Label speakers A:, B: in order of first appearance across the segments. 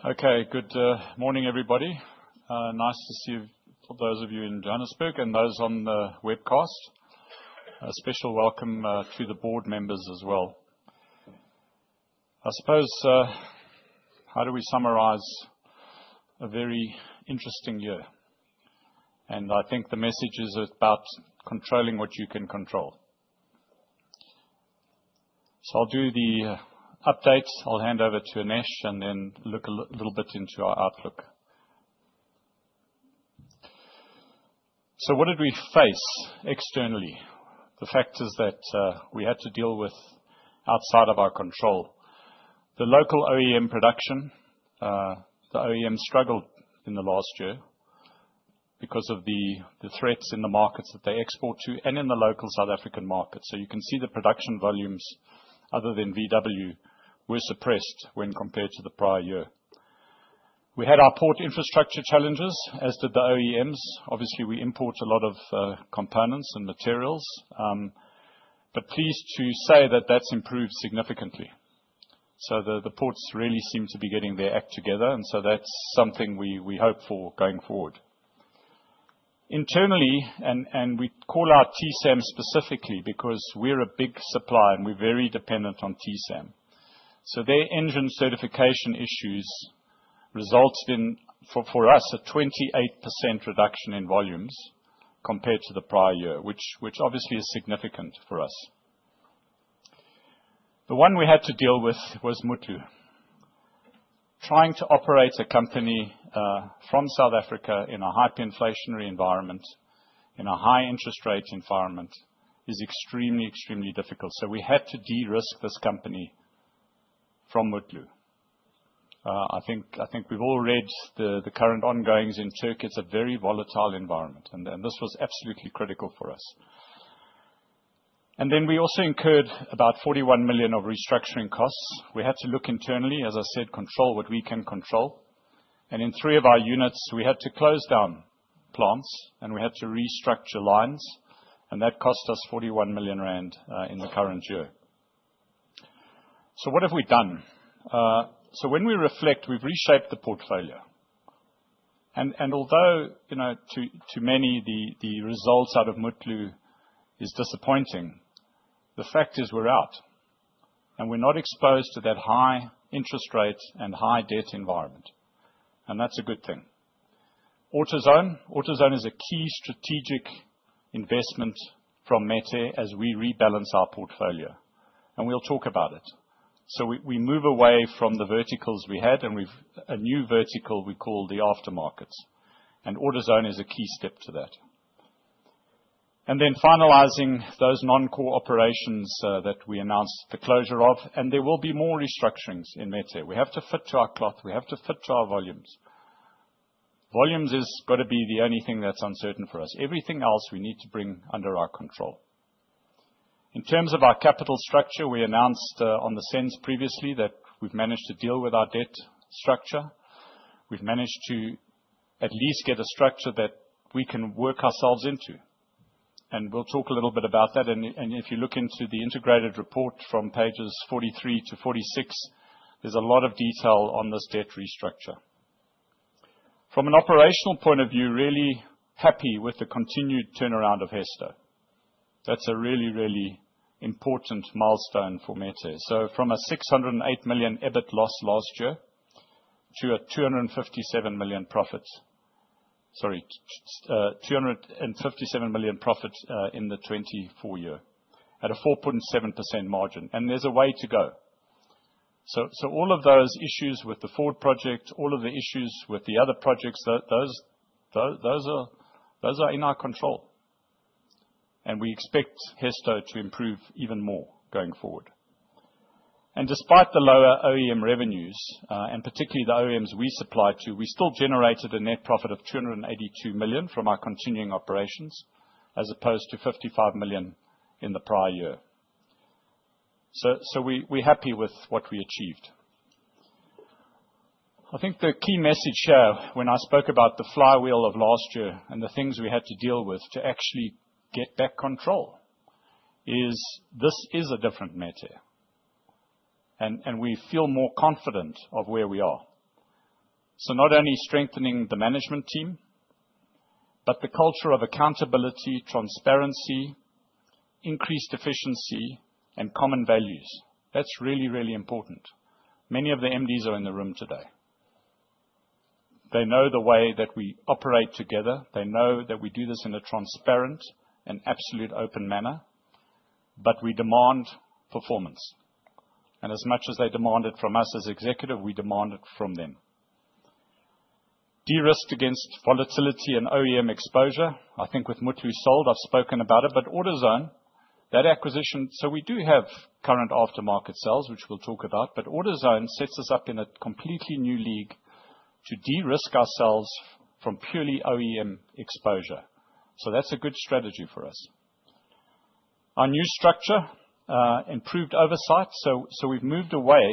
A: Good morning, everybody. Nice to see those of you in Johannesburg and those on the webcast. A special welcome to the board members as well. I suppose, how do we summarize a very interesting year? I think the message is about controlling what you can control. I'll do the updates. I'll hand over to Anesh, then look a little bit into our outlook. What did we face externally? The factors that we had to deal with outside of our control. The local OEM production. The OEM struggled in the last year because of the threats in the markets that they export to and in the local South African market. You can see the production volumes other than VW were suppressed when compared to the prior year. We had our port infrastructure challenges, as did the OEMs. Obviously, we import a lot of components and materials. Pleased to say that that's improved significantly. The ports really seem to be getting their act together, that's something we hope for going forward. Internally, we call out TSAM specifically, because we're a big supplier and we're very dependent on TSAM. Their engine certification issues resulted in, for us, a 28% reduction in volumes compared to the prior year, which obviously is significant for us. The one we had to deal with was Mutlu. Trying to operate a company from South Africa in a hyperinflationary environment, in a high interest rate environment, is extremely difficult. We had to de-risk this company from Mutlu. I think we've all read the current ongoings in Turkey. It's a very volatile environment, and this was absolutely critical for us. We also incurred about 41 million of restructuring costs. We had to look internally, as I said, control what we can control. In three of our units, we had to close down plants and we had to restructure lines, that cost us 41 million rand, in the current year. What have we done? When we reflect, we've reshaped the portfolio. Although, to many, the results out of Mutlu is disappointing, the fact is we're out, we're not exposed to that high interest rate and high debt environment. That's a good thing. AutoZone. AutoZone is a key strategic investment from Metair as we rebalance our portfolio, we'll talk about it. We move away from the verticals we had, we've a new vertical we call the aftermarket. AutoZone is a key step to that. Finalizing those non-core operations that we announced the closure of, there will be more restructurings in Metair. We have to fit to our cloth. We have to fit to our volumes. Volumes has got to be the only thing that's uncertain for us. Everything else we need to bring under our control. In terms of our capital structure, we announced on the SENS previously that we've managed to deal with our debt structure. We've managed to at least get a structure that we can work ourselves into. We'll talk a little bit about that. If you look into the integrated report from pages 43 to 46, there's a lot of detail on this debt restructure. From an operational point of view, really happy with the continued turnaround of Hesto. That's a really, really important milestone for Metair. From a 608 million EBIT loss last year, to a 257 million profit. Sorry, 257 million profit in the 2024 year at a 4.7% margin. There's a way to go. All of those issues with the Ford project, all of the issues with the other projects, those are in our control, and we expect Hesto to improve even more going forward. Despite the lower OEM revenues, and particularly the OEMs we supply to, we still generated a net profit of 282 million from our continuing operations, as opposed to 55 million in the prior year. We're happy with what we achieved. I think the key message here when I spoke about the flywheel of last year and the things we had to deal with to actually get back control is this is a different Metair, and we feel more confident of where we are. Not only strengthening the management team, but the culture of accountability, transparency, increased efficiency, and common values. That's really, really important. Many of the MDs are in the room today. They know the way that we operate together. They know that we do this in a transparent and absolute open manner, but we demand performance. As much as they demand it from us as executive, we demand it from them. De-risk against volatility and OEM exposure. I think with Mutlu sold, I've spoken about it, but AutoZone, that acquisition. We do have current aftermarket sales, which we'll talk about, but AutoZone sets us up in a completely new league to de-risk ourselves from purely OEM exposure. That's a good strategy for us. Our new structure, improved oversight. We've moved away,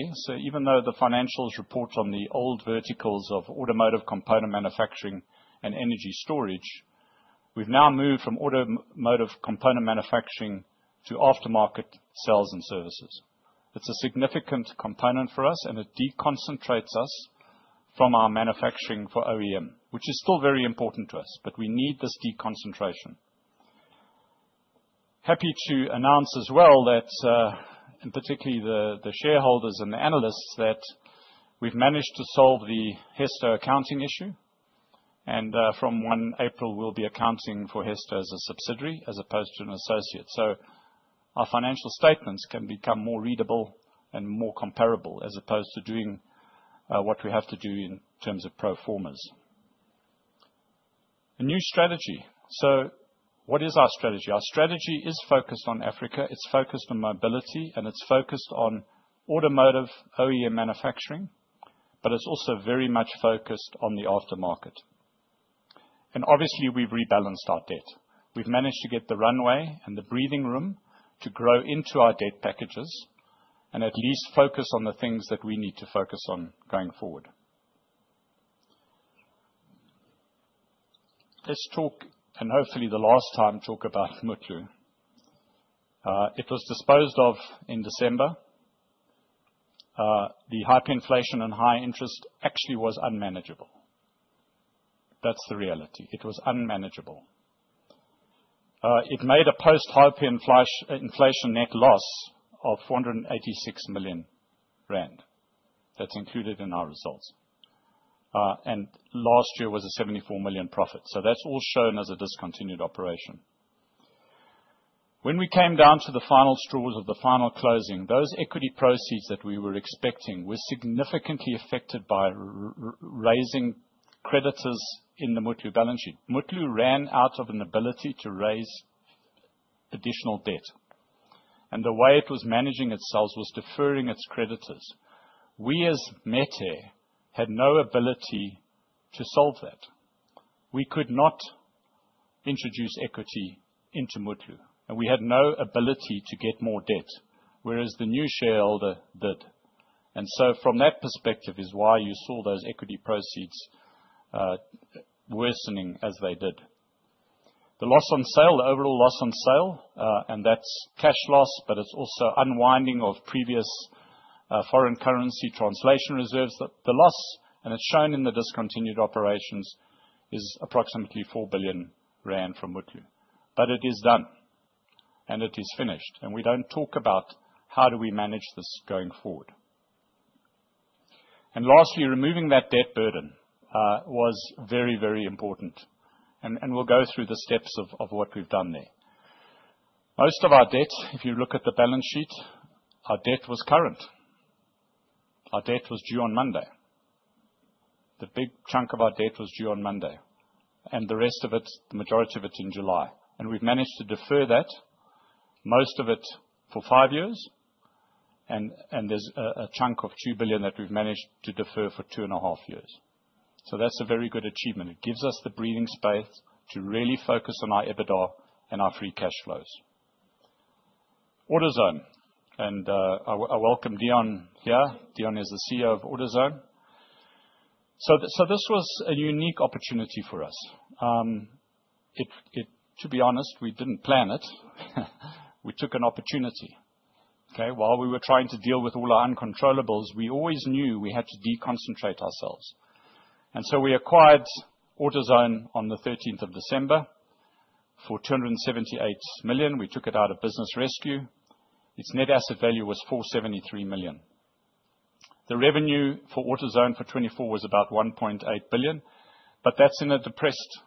A: even though the financials report on the old verticals of automotive component manufacturing and energy storage. We've now moved from automotive component manufacturing to aftermarket sales and services. It's a significant component for us, and it deconcentrates us from our manufacturing for OEM, which is still very important to us, but we need this deconcentration. Happy to announce as well that, and particularly the shareholders and the analysts, that we've managed to solve the Hesto accounting issue. From 1 April, we'll be accounting for Hesto as a subsidiary as opposed to an associate. Our financial statements can become more readable and more comparable as opposed to doing what we have to do in terms of pro formas. A new strategy. What is our strategy? Our strategy is focused on Africa, it's focused on mobility, and it's focused on automotive OEM manufacturing, but it's also very much focused on the aftermarket. Obviously we've rebalanced our debt. We've managed to get the runway and the breathing room to grow into our debt packages and at least focus on the things that we need to focus on going forward. Let's talk, and hopefully the last time, talk about Mutlu. It was disposed of in December. The hyperinflation and high interest actually was unmanageable. That's the reality. It was unmanageable. It made a post hyperinflation net loss of 486 million rand. That's included in our results. Last year was a 74 million profit. That's all shown as a discontinued operation. When we came down to the final straws of the final closing, those equity proceeds that we were expecting were significantly affected by raising creditors in the Mutlu balance sheet. Mutlu ran out of an ability to raise additional debt, and the way it was managing itself was deferring its creditors. We, as Metair, had no ability to solve that. We could not introduce equity into Mutlu, and we had no ability to get more debt, whereas the new shareholder did. From that perspective is why you saw those equity proceeds worsening as they did. The loss on sale, the overall loss on sale, and that's cash loss, but it's also unwinding of previous foreign currency translation reserves. The loss, and it's shown in the discontinued operations, is approximately 4 billion rand from Mutlu. It is done, and it is finished, and we don't talk about how do we manage this going forward. Lastly, removing that debt burden was very important, and we'll go through the steps of what we've done there. Most of our debt, if you look at the balance sheet, our debt was current. Our debt was due on Monday. The big chunk of our debt was due on Monday, and the rest of it, the majority of it's in July. We've managed to defer that, most of it for five years, and there's a chunk of 2 billion that we've managed to defer for two and a half years. That's a very good achievement. It gives us the breathing space to really focus on our EBITDA and our free cash flows. AutoZone, I welcome Dion here. Dion is the CEO of AutoZone. This was a unique opportunity for us. To be honest, we didn't plan it. We took an opportunity. Okay. While we were trying to deal with all our uncontrollables, we always knew we had to deconcentrate ourselves. We acquired AutoZone on the 13th of December for 278 million. We took it out of business rescue. Its net asset value was 473 million. The revenue for AutoZone for 2024 was about 1.8 billion, but that's in a depressed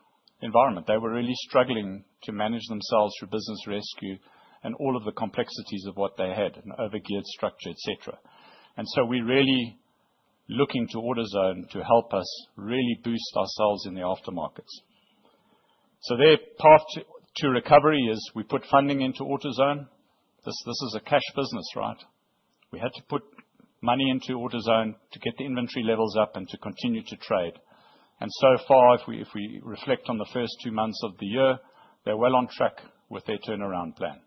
A: environment. They were really struggling to manage themselves through business rescue and all of the complexities of what they had, an overgeared structure, et cetera. We're really looking to AutoZone to help us really boost ourselves in the aftermarkets. Their path to recovery is we put funding into AutoZone. This is a cash business. We had to put money into AutoZone to get the inventory levels up and to continue to trade. So far, if we reflect on the first two months of the year, they're well on track with their turnaround plan.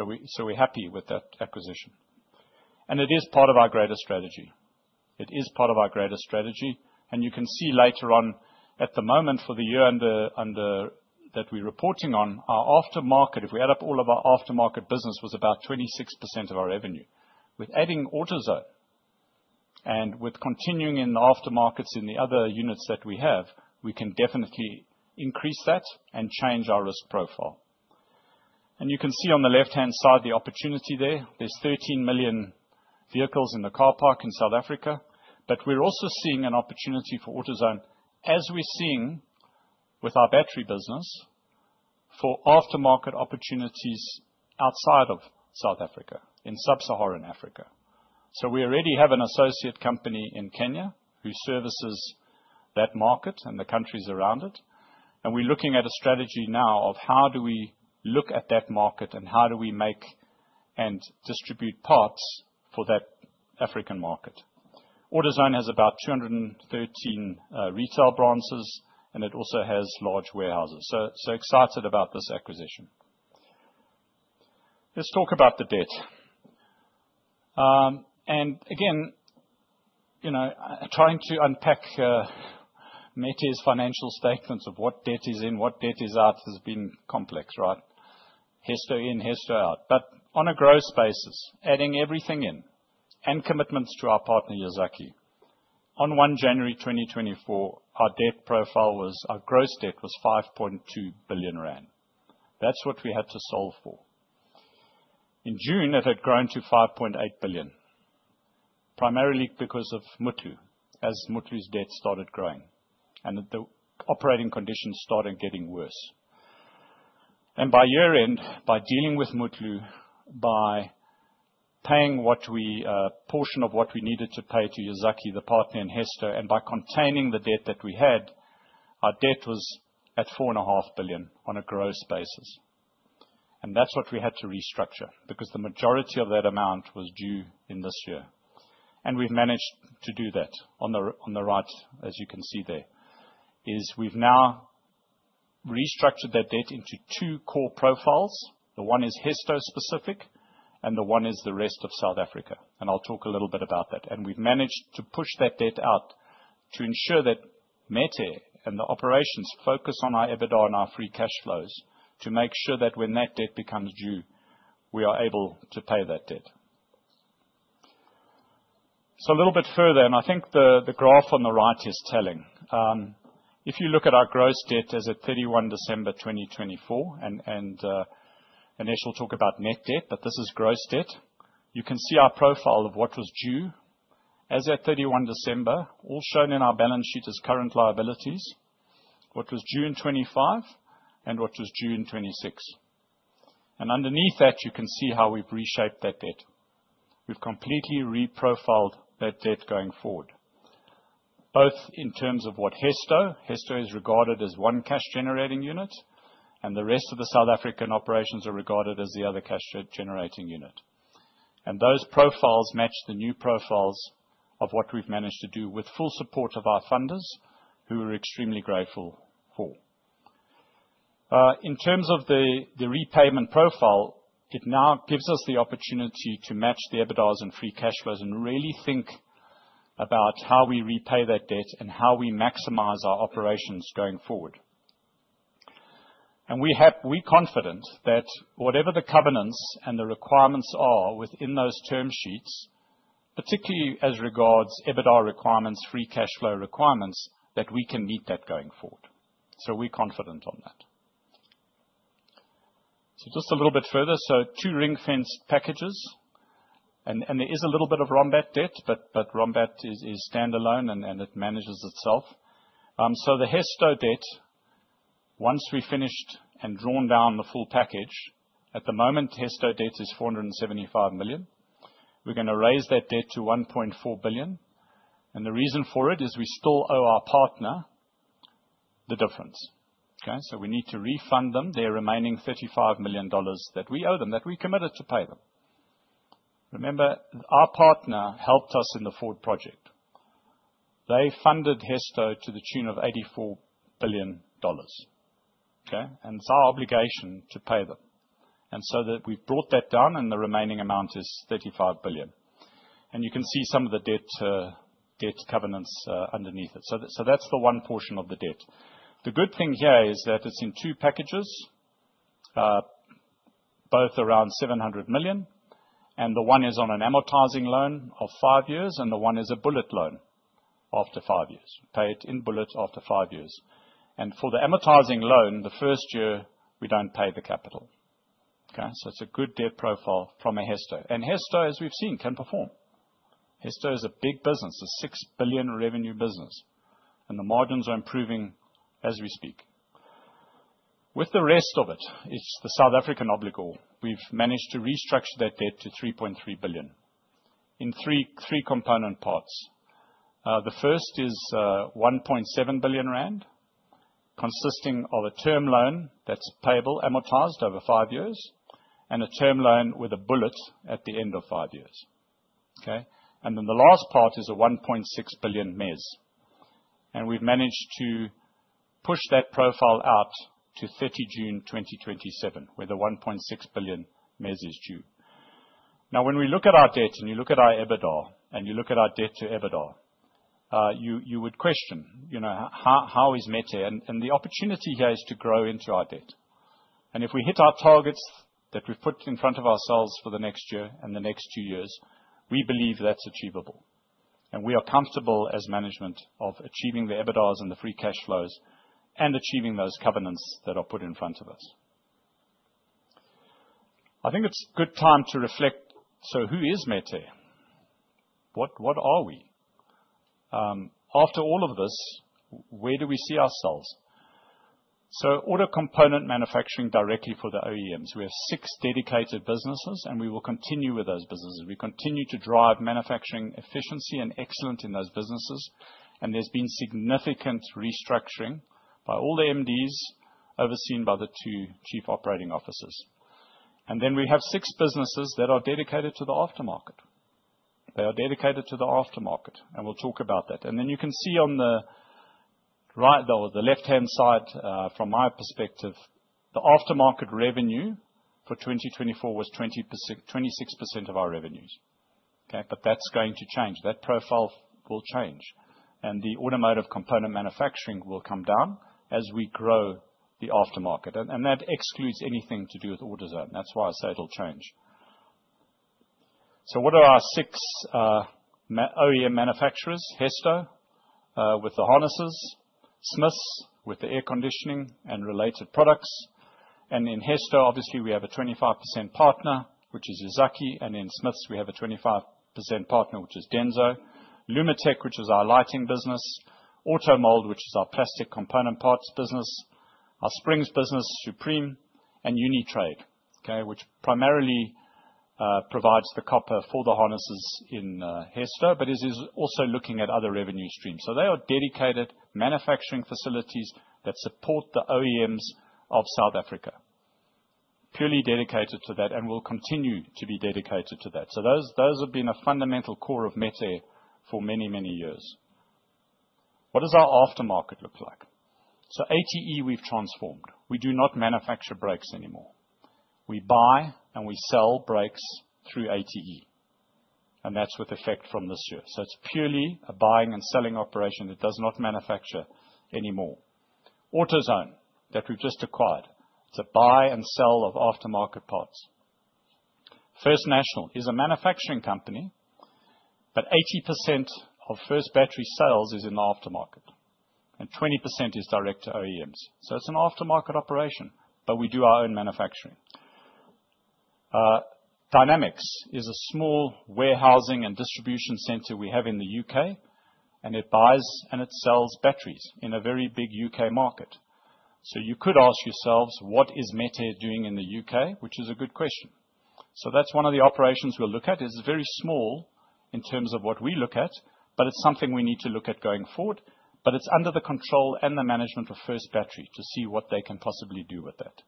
A: We're happy with that acquisition. It is part of our greater strategy. It is part of our greater strategy, and you can see later on, at the moment for the year that we're reporting on, our aftermarket, if we add up all of our aftermarket business, was about 26% of our revenue. With adding AutoZone and with continuing in the aftermarkets in the other units that we have, we can definitely increase that and change our risk profile. You can see on the left-hand side the opportunity there. There's 13 million vehicles in the car park in South Africa, but we're also seeing an opportunity for AutoZone as we're seeing with our battery business for aftermarket opportunities outside of South Africa in sub-Saharan Africa. We already have an associate company in Kenya who services that market and the countries around it, and we're looking at a strategy now of how do we look at that market and how do we make and distribute parts for that African market. AutoZone has about 213 retail branches, and it also has large warehouses. Excited about this acquisition. Let's talk about the debt. Again, trying to unpack Metair's financial statements of what debt is in, what debt is out, has been complex, right? Hesto in, Hesto out. But on a gross basis, adding everything in, and commitments to our partner Yazaki. On 1 January 2024, our debt profile was, our gross debt was 5.2 billion rand. That's what we had to solve for. In June, it had grown to 5.8 billion, primarily because of Mutlu, as Mutlu's debt started growing and the operating conditions started getting worse. By year-end, by dealing with Mutlu, by paying a portion of what we needed to pay to Yazaki, the partner in Hesto, and by containing the debt that we had, our debt was at 4.5 billion on a gross basis. That's what we had to restructure, because the majority of that amount was due in this year. We've managed to do that on the right, as you can see there, is we've now restructured that debt into two core profiles. The one is Hesto specific, and the one is the rest of South Africa. I'll talk a little bit about that. We've managed to push that debt out to ensure that Metair and the operations focus on our EBITDA and our free cash flows to make sure that when that debt becomes due, we are able to pay that debt. A little bit further, I think the graph on the right is telling. If you look at our gross debt as at 31 December 2024, initial talk about net debt, but this is gross debt. You can see our profile of what was due as at 31 December, all shown in our balance sheet as current liabilities, what was due in 2025 and what was due in 2026. Underneath that, you can see how we've reshaped that debt. We've completely re-profiled that debt going forward, both in terms of what Hesto. Hesto is regarded as one cash-generating unit, and the rest of the South African operations are regarded as the other cash-generating unit. Those profiles match the new profiles of what we've managed to do with full support of our funders, who we're extremely grateful for. In terms of the repayment profile, it now gives us the opportunity to match the EBITDAs and free cash flows and really think about how we repay that debt and how we maximize our operations going forward. We're confident that whatever the covenants and the requirements are within those term sheets, particularly as regards EBITDA requirements, free cash flow requirements, that we can meet that going forward. We're confident on that. Just a little bit further. Two ring-fence packages, and there is a little bit of Rombat debt, but Rombat is standalone and it manages itself. The Hesto debt, once we finished and drawn down the full package, at the moment, Hesto debt is 475 million. We are going to raise that debt to 1.4 billion. The reason for it is we still owe our partner the difference. Okay. We need to refund them their remaining $35 million that we owe them, that we committed to pay them. Remember, our partner helped us in the Ford project. They funded Hesto to the tune of $ 84 billion. Okay. It's our obligation to pay them. So that we've brought that down and the remaining amount is $35 billion. You can see some of the debt covenants underneath it. That's the one portion of the debt. The good thing here is that it's in two packages, both around 700 million, the one is on an amortizing loan of five years, the one is a bullet loan after five years. We pay it in bullet after five years. For the amortizing loan, the first year, we don't pay the capital. Okay. It's a good debt profile from a Hesto. Hesto, as we've seen, can perform. Hesto is a big business, a 6 billion revenue business, the margins are improving as we speak. With the rest of it's the South African obligation. We've managed to restructure that debt to 3.3 billion in three component parts. The first is 1.7 billion rand, consisting of a term loan that's payable amortized over five years, a term loan with a bullet at the end of five years. Okay. Then the last part is a 1.6 billion mezz. We've managed to push that profile out to 30 June 2027, where the 1.6 billion mezz is due. Now, when we look at our debt and you look at our EBITDA, you look at our debt to EBITDA, you would question, how is Metair? The opportunity here is to grow into our debt. If we hit our targets that we've put in front of ourselves for the next year and the next two years, we believe that's achievable. We are comfortable as management of achieving the EBITDAs and the free cash flows and achieving those covenants that are put in front of us. I think it's good time to reflect. Who is Metair? What are we? After all of this, where do we see ourselves? Auto component manufacturing directly for the OEMs. We have six dedicated businesses, we will continue with those businesses. We continue to drive manufacturing efficiency and excellence in those businesses, there's been significant restructuring by all the MDs, overseen by the two chief operating officers. Then we have six businesses that are dedicated to the aftermarket. They are dedicated to the aftermarket, we'll talk about that. Then you can see on the right, though, the left-hand side, from my perspective, the aftermarket revenue for 2024 was 26% of our revenues. Okay. That's going to change. That profile will change. The automotive component manufacturing will come down as we grow the aftermarket. That excludes anything to do with AutoZone. That's why I say it'll change. What are our six OEM manufacturers? Hesto, with the harnesses, Smiths, with the air conditioning and related products. In Hesto, obviously, we have a 25% partner, which is Yazaki, and in Smiths, we have a 25% partner, which is Denso. Lumotech, which is our lighting business, Automould, which is our plastic component parts business, our springs business, Supreme, and Unitrade. Which primarily provides the copper for the harnesses in Hesto, but is also looking at other revenue streams. They are dedicated manufacturing facilities that support the OEMs of South Africa. Purely dedicated to that and will continue to be dedicated to that. Those have been a fundamental core of Metair for many, many years. What does our aftermarket look like? ATE we've transformed. We do not manufacture brakes anymore. We buy and we sell brakes through ATE, and that's with effect from this year. It's purely a buying and selling operation that does not manufacture anymore. AutoZone, that we've just acquired, it's a buy and sell of aftermarket parts. First National is a manufacturing company, but 80% of First Battery sales is in the aftermarket, and 20% is direct to OEMs. It's an aftermarket operation, but we do our own manufacturing. Dynamics is a small warehousing and distribution center we have in the U.K., and it buys and it sells batteries in a very big U.K. market. You could ask yourselves, what is Metair doing in the U.K.? Which is a good question. That's one of the operations we'll look at. It's very small in terms of what we look at, but it's something we need to look at going forward. But it's under the control and the management of First Battery to see what they can possibly do with that.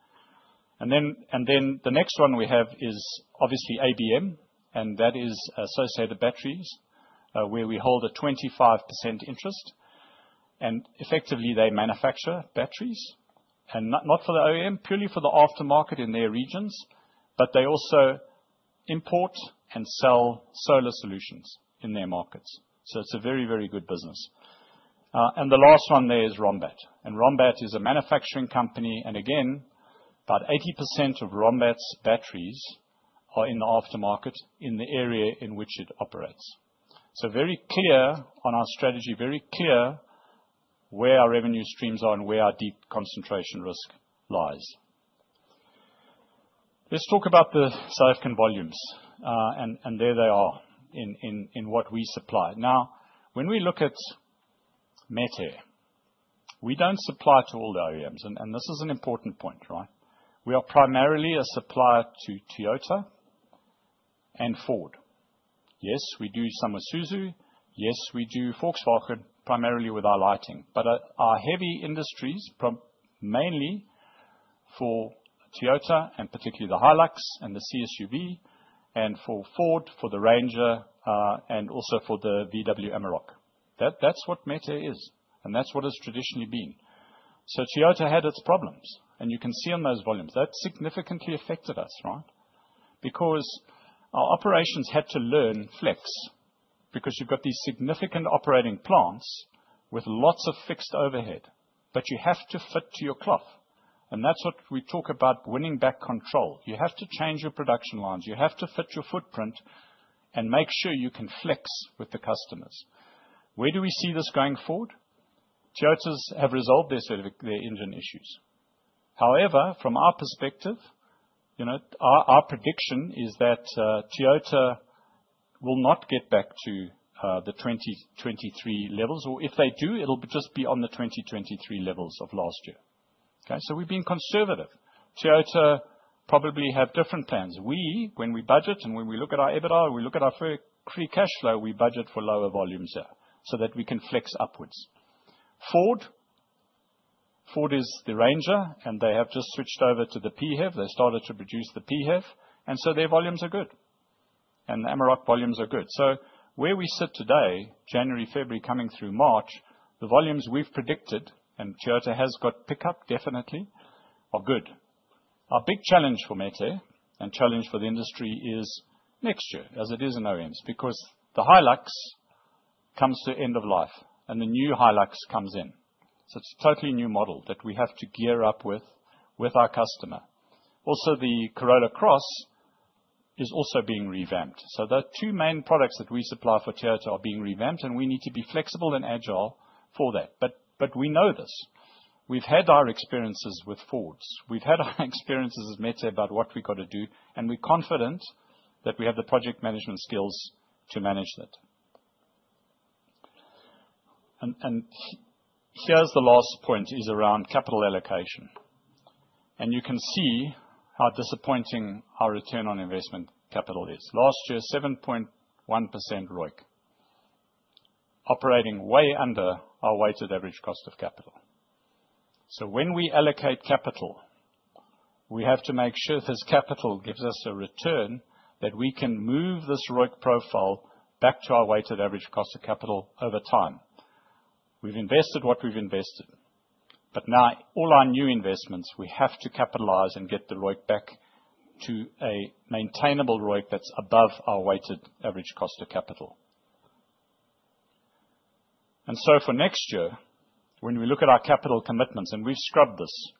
A: The next one we have is obviously ABM, and that is Associated Batteries, where we hold a 25% interest, and effectively they manufacture batteries. Not for the OEM, purely for the aftermarket in their regions, but they also import and sell solar solutions in their markets. It's a very, very good business. The last one there is Rombat. Rombat is a manufacturing company, and again, about 80% of Rombat's batteries are in the aftermarket in the area in which it operates. Very clear on our strategy, very clear where our revenue streams are and where our deconcentration risk lies. Let's talk about the SAARC and volumes, and there they are in what we supply. When we look at Metair, we don't supply to all the OEMs, and this is an important point, right? We are primarily a supplier to Toyota and Ford. Yes, we do some Isuzu. Yes, we do Volkswagen, primarily with our lighting. But our heavy industries, mainly for Toyota and particularly the Hilux and the C-SUV, and for Ford, for the Ranger, and also for the VW Amarok. That's what Metair is, and that's what it's traditionally been. Toyota had its problems, and you can see on those volumes, that significantly affected us, right? Because our operations had to learn flex, because you've got these significant operating plants with lots of fixed overhead, but you have to fit to your cloth. That's what we talk about winning back control. You have to change your production lines. You have to fit your footprint and make sure you can flex with the customers. Where do we see this going forward? Toyotas have resolved their engine issues. However, from our perspective, our prediction is that Toyota will not get back to the 2023 levels. If they do, it will just be on the 2023 levels of last year. Okay. Toyota probably has different plans. When we budget and when we look at our EBITDA, we look at our free cash flow, we budget for lower volumes there so that we can flex upwards. Ford is the Ranger, they have just switched over to the PHEV. They started to produce the PHEV, their volumes are good. The Amarok volumes are good. Where we sit today, January, February, coming through March, the volumes we have predicted, Toyota has got pickup, definitely, are good. Our big challenge for Metair, challenge for the industry is next year as it is in OEMs, because the Hilux comes to end of life and the new Hilux comes in. It is a totally new model that we have to gear up with our customer. The Corolla Cross is also being revamped. The two main products that we supply for Toyota are being revamped, we need to be flexible and agile for that. But we know this. We have had our experiences with Ford. We have had our experiences as Metair about what we have to do, we are confident that we have the project management skills to manage that. Here is the last point, is around capital allocation. You can see how disappointing our return on investment capital is. Last year, 7.1% ROIC. Operating way under our weighted average cost of capital. When we allocate capital, we have to make sure this capital gives us a return that we can move this ROIC profile back to our weighted average cost of capital over time. We have invested what we have invested, now all our new investments, we have to capitalize and get the ROIC back to a maintainable ROIC that is above our weighted average cost of capital. For next year, when we look at our capital commitments, we have scrubbed this,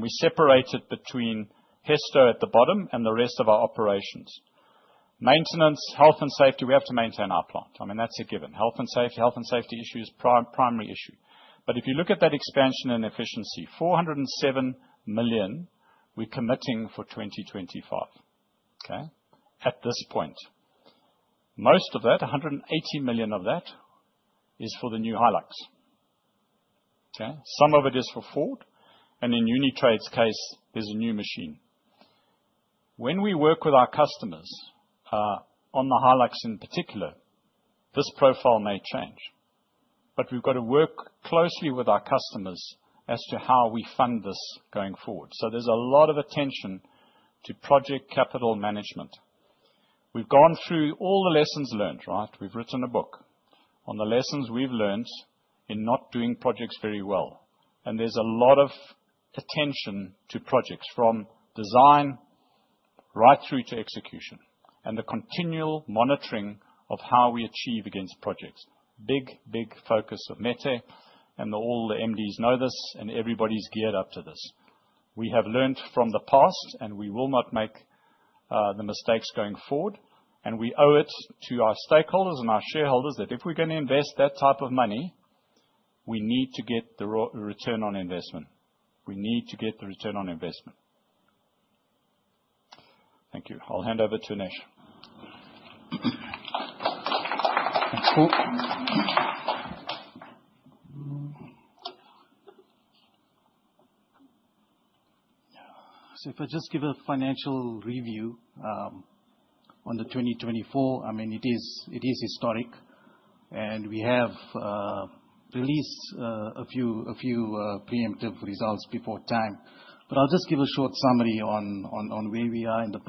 A: we separate it between Hesto at the bottom and the rest of our operations. Maintenance, health, and safety, we have to maintain our plant. That is a given. Health and safety issue is a primary issue. If you look at that expansion and efficiency, 407 million we are committing for 2025, okay. At this point. Most of that, 180 million of that, is for the new Hilux. Okay. Some of it is for Ford, in Unitrade's case, there is a new machine. When we work with our customers, on the Hilux in particular, this profile may change. We have to work closely with our customers as to how we fund this going forward. There is a lot of attention to project capital management. We have gone through all the lessons learned, right. We have written a book on the lessons we have learned in not doing projects very well, there is a lot of attention to projects, from design right through to execution, and the continual monitoring of how we achieve against projects. Big, big focus of Metair, all the MDs know this, everybody is geared up to this. We have learned from the past, we will not make the mistakes going forward. We owe it to our stakeholders and our shareholders that if we're gonna invest that type of money, we need to get the return on investment. Thank you. I'll hand over to Anesh.
B: Thanks, Paul. If I just give a financial review on the 2024, it is historic. We have released a few preemptive results before time. I'll just give a short summary on where we are and the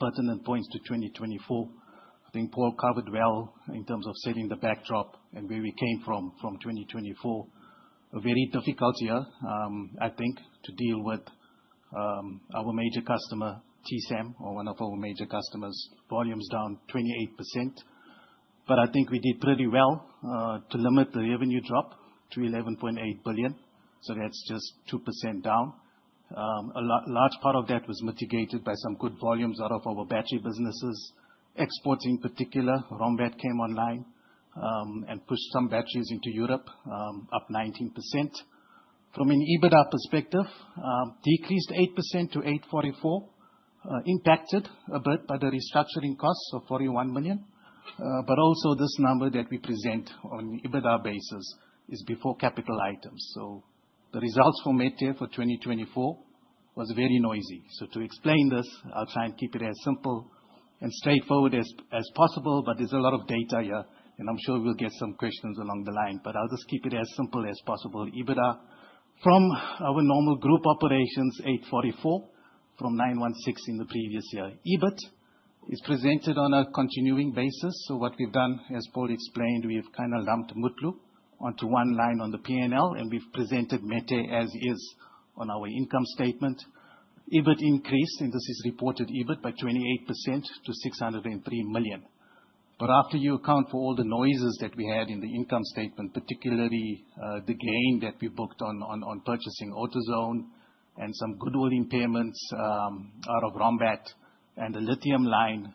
B: pertinent points to 2024. I think Paul covered well in terms of setting the backdrop and where we came from 2024. A very difficult year, I think, to deal with, our major customer, TSAM, or one of our major customers, volumes down 28%. I think we did pretty well to limit the revenue drop to 11.8 billion. That's just 2% down. A large part of that was mitigated by some good volumes out of our battery businesses. Export in particular, Rombat came online, and pushed some batteries into Europe, up 19%. From an EBITDA perspective, decreased 8% to 844 million, impacted a bit by the restructuring costs of 41 million. Also this number that we present on the EBITDA basis is before capital items. The results for Metair for 2024 was very noisy. To explain this, I'll try and keep it as simple and straightforward as possible, there's a lot of data here, and I'm sure we'll get some questions along the line. I'll just keep it as simple as possible. EBITDA from our normal group operations, 844 million from 916 million the previous year. EBIT is presented on a continuing basis. What we've done, as Paul explained, we've kind of lumped Mutlu onto one line on the P&L, and we've presented Metair as is on our income statement. EBIT increased, and this is reported EBIT, by 28% to 603 million. After you account for all the noises that we had in the income statement, particularly, the gain that we booked on purchasing AutoZone and some goodwill impairments out of Rombat and the lithium line,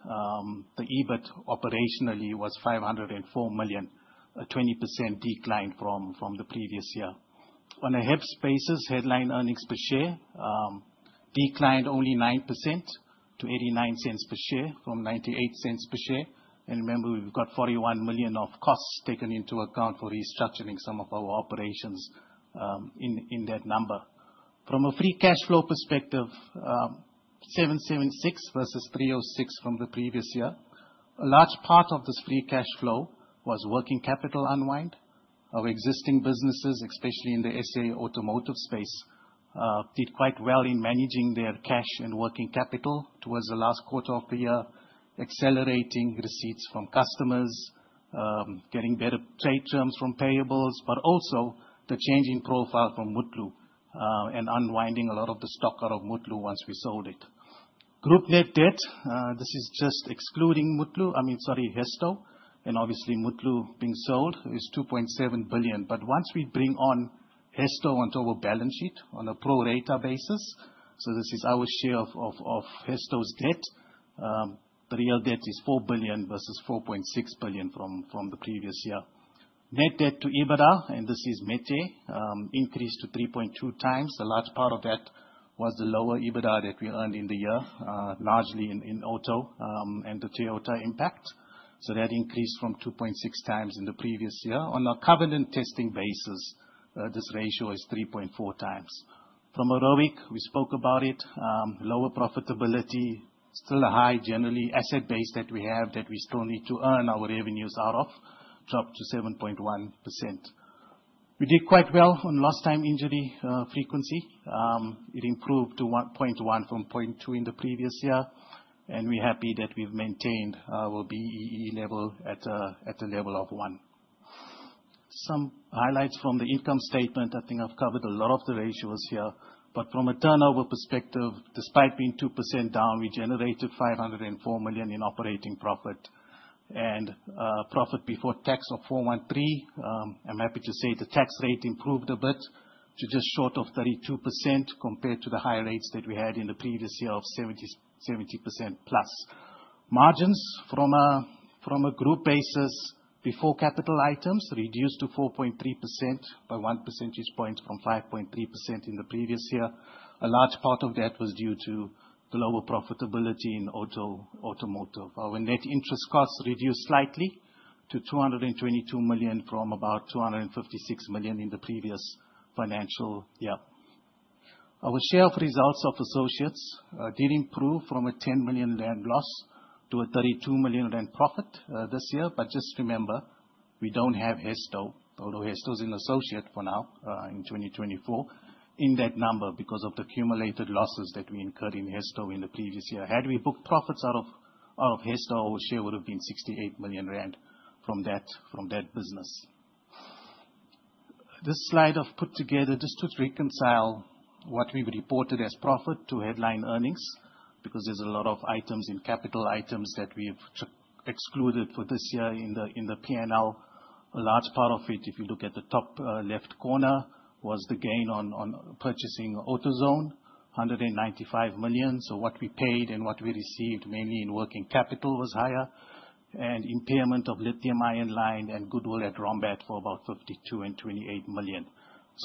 B: the EBIT operationally was 504 million, a 20% decline from the previous year. On a HEPS basis, headline earnings per share, declined only 9% to 0.89 per share from 0.98 per share. Remember, we've got 41 million of costs taken into account for restructuring some of our operations in that number. From a free cash flow perspective, 776 million versus 306 million from the previous year. A large part of this free cash flow was working capital unwind. Our existing businesses, especially in the SA automotive space, did quite well in managing their cash and working capital towards the last quarter of the year, accelerating receipts from customers, getting better trade terms from payables, but also the change in profile from Mutlu, unwinding a lot of the stock out of Mutlu once we sold it. Group net debt, this is just excluding Mutlu, I mean, sorry, Hesto. Obviously, Mutlu being sold is 2.7 billion. But once we bring on Hesto onto our balance sheet on a pro rata basis, this is our share of Hesto's debt. The real debt is 4 billion versus 4.6 billion from the previous year. Net debt to EBITDA, and this is Metair, increased to 3.2 times. A large part of that was the lower EBITDA that we earned in the year, largely in auto, and the Toyota impact. That increased from 2.6 times in the previous year. On a covenant testing basis, this ratio is 3.4 times. From a ROIC, we spoke about it. Lower profitability, still a high generally asset base that we have that we still need to earn our revenues out of, dropped to 7.1%. We did quite well on lost time injury frequency. It improved to 0.1 from 0.2 in the previous year, and we're happy that we've maintained our BEE level at the level of 1. Some highlights from the income statement. I think I've covered a lot of the ratios here, but from a turnover perspective, despite being 2% down, we generated 504 million in operating profit and profit before tax of 413 million. I'm happy to say the tax rate improved a bit to just short of 32% compared to the higher rates that we had in the previous year of 70% plus. Margins from a group basis before capital items reduced to 4.3% by one percentage point from 5.3% in the previous year. A large part of that was due to the lower profitability in automotive. Our net interest costs reduced slightly to 222 million from about 256 million in the previous financial year. Our share of results of associates did improve from a 10 million rand loss to a 32 million rand profit this year. Just remember, we don't have Hesto, although Hesto is an associate for now, in 2024, in that number, because of the accumulated losses that we incurred in Hesto in the previous year. Had we booked profits out of Hesto, our share would have been 68 million rand from that business. This slide I've put together just to reconcile what we've reported as profit to headline earnings, because there's a lot of items in capital items that we've excluded for this year in the P&L. A large part of it, if you look at the top left corner, was the gain on purchasing AutoZone, 195 million. What we paid and what we received, mainly in working capital, was higher. Impairment of lithium ion line and goodwill at Rombat for about 52 million and 28 million.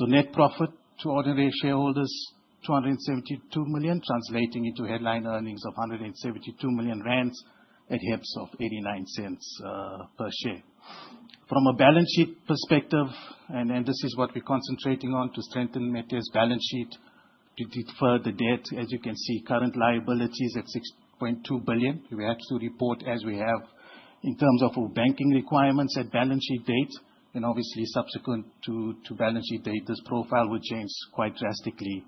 B: Net profit to ordinary shareholders, 272 million, translating into headline earnings of 172 million rand at HEPS of 0.89 per share. From a balance sheet perspective, and this is what we're concentrating on to strengthen Metair's balance sheet to defer the debt. As you can see, current liability is at 6.2 billion. We have to report as we have in terms of our banking requirements at balance sheet date. Obviously, subsequent to balance sheet date, this profile will change quite drastically,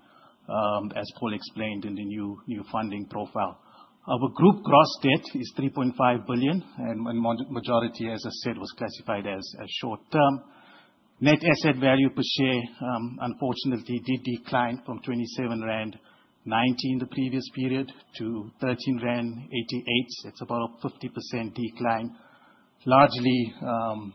B: as Paul explained in the new funding profile. Our group gross debt is 3.5 billion. Majority, as I said, was classified as short term. Net asset value per share, unfortunately, did decline from 27.19 rand the previous period to 13.88 rand. It is about a 50% decline, largely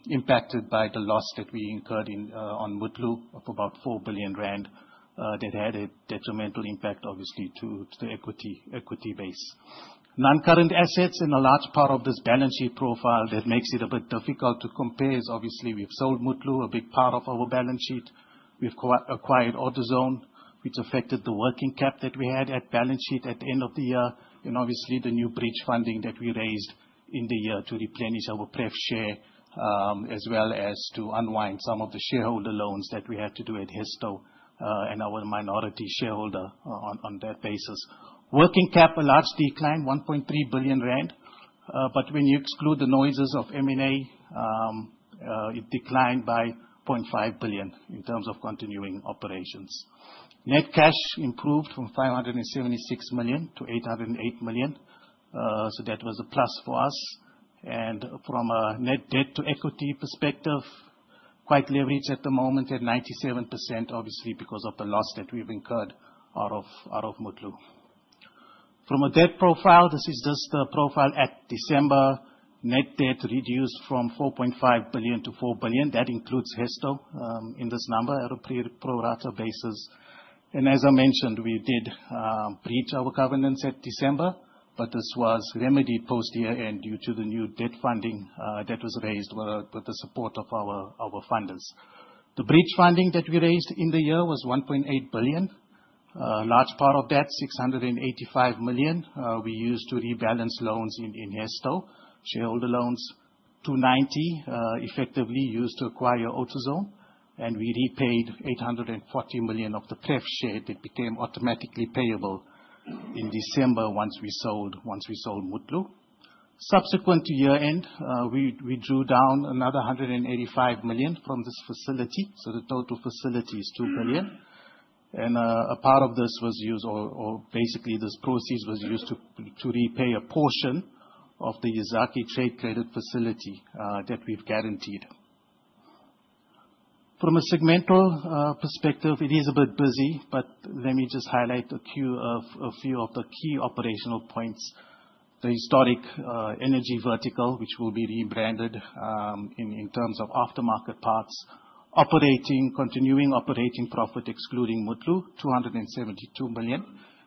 B: impacted by the loss that we incurred on Mutlu of about 4 billion rand. That had a detrimental impact obviously to the equity base. Non-current assets. A large part of this balance sheet profile that makes it a bit difficult to compare is obviously we have sold Mutlu, a big part of our balance sheet. We have acquired AutoZone, which affected the working cap that we had at balance sheet at the end of the year. Obviously, the new bridge funding that we raised in the year to replenish our pref share, as well as to unwind some of the shareholder loans that we had to do at Hesto, and our minority shareholder on that basis. Working cap, a large decline, 1.3 billion rand. When you exclude the noises of M&A, it declined by 0.5 billion in terms of continuing operations. Net cash improved from 576 million to 808 million. That was a plus for us. From a net debt to equity perspective, quite leveraged at the moment at 97%, obviously because of the loss that we have incurred out of Mutlu. From a debt profile, this is just a profile at December. Net debt reduced from $4.5 billion to 4 billion. That includes Hesto, in this number at a pro rata basis. As I mentioned, we did breach our governance at December. This was remedied post-year-end due to the new debt funding that was raised with the support of our funders. The bridge funding that we raised in the year was 1.8 billion. A large part of that, 685 million, we used to rebalance loans in Hesto. Shareholder loans 290, effectively used to acquire AutoZone. We repaid 840 million of the pref share that became automatically payable in December once we sold Mutlu. Subsequent to year-end, we drew down another 185 million from this facility, so the total facility is 2 billion. A part of this was used, or basically these proceeds were used to repay a portion of the Yazaki trade credit facility that we have guaranteed. From a segmental perspective, it is a bit busy. Let me just highlight a few of the key operational points. The historic energy vertical, which will be rebranded, in terms of aftermarket parts. Continuing operating profit excluding Mutlu, 272 million.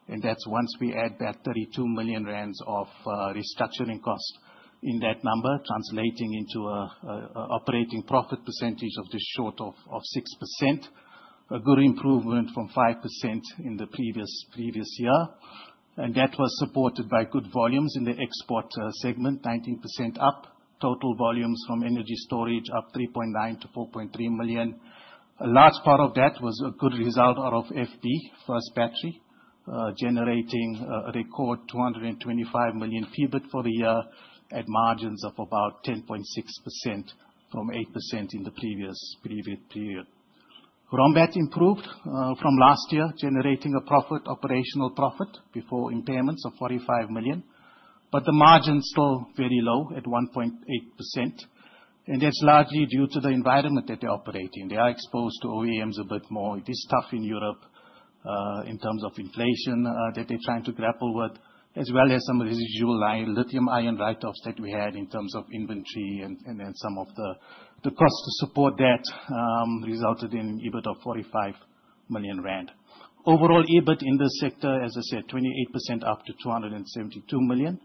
B: That is once we add back 32 million rand of restructuring costs in that number, translating into operating profit percentage of this short of 6%. A good improvement from 5% in the previous year. That was supported by good volumes in the export segment, 19% up. Total volumes from energy storage up 3.9 million to 4.3 million. A large part of that was a good result out of First Battery, generating a record 225 million PBIT for the year at margins of about 10.6% from 8% in the previous period. Rombat improved from last year, generating an operational profit before impairments of 45 million, but the margin's still very low at 1.8%. That's largely due to the environment that they operate in. They are exposed to OEMs a bit more. It is tough in Europe, in terms of inflation, that they're trying to grapple with, as well as some residual lithium ion write-offs that we had in terms of inventory and then some of the cost to support that, resulted in an EBIT of 45 million rand. Overall EBIT in this sector, as I said, 28% up to 272 million.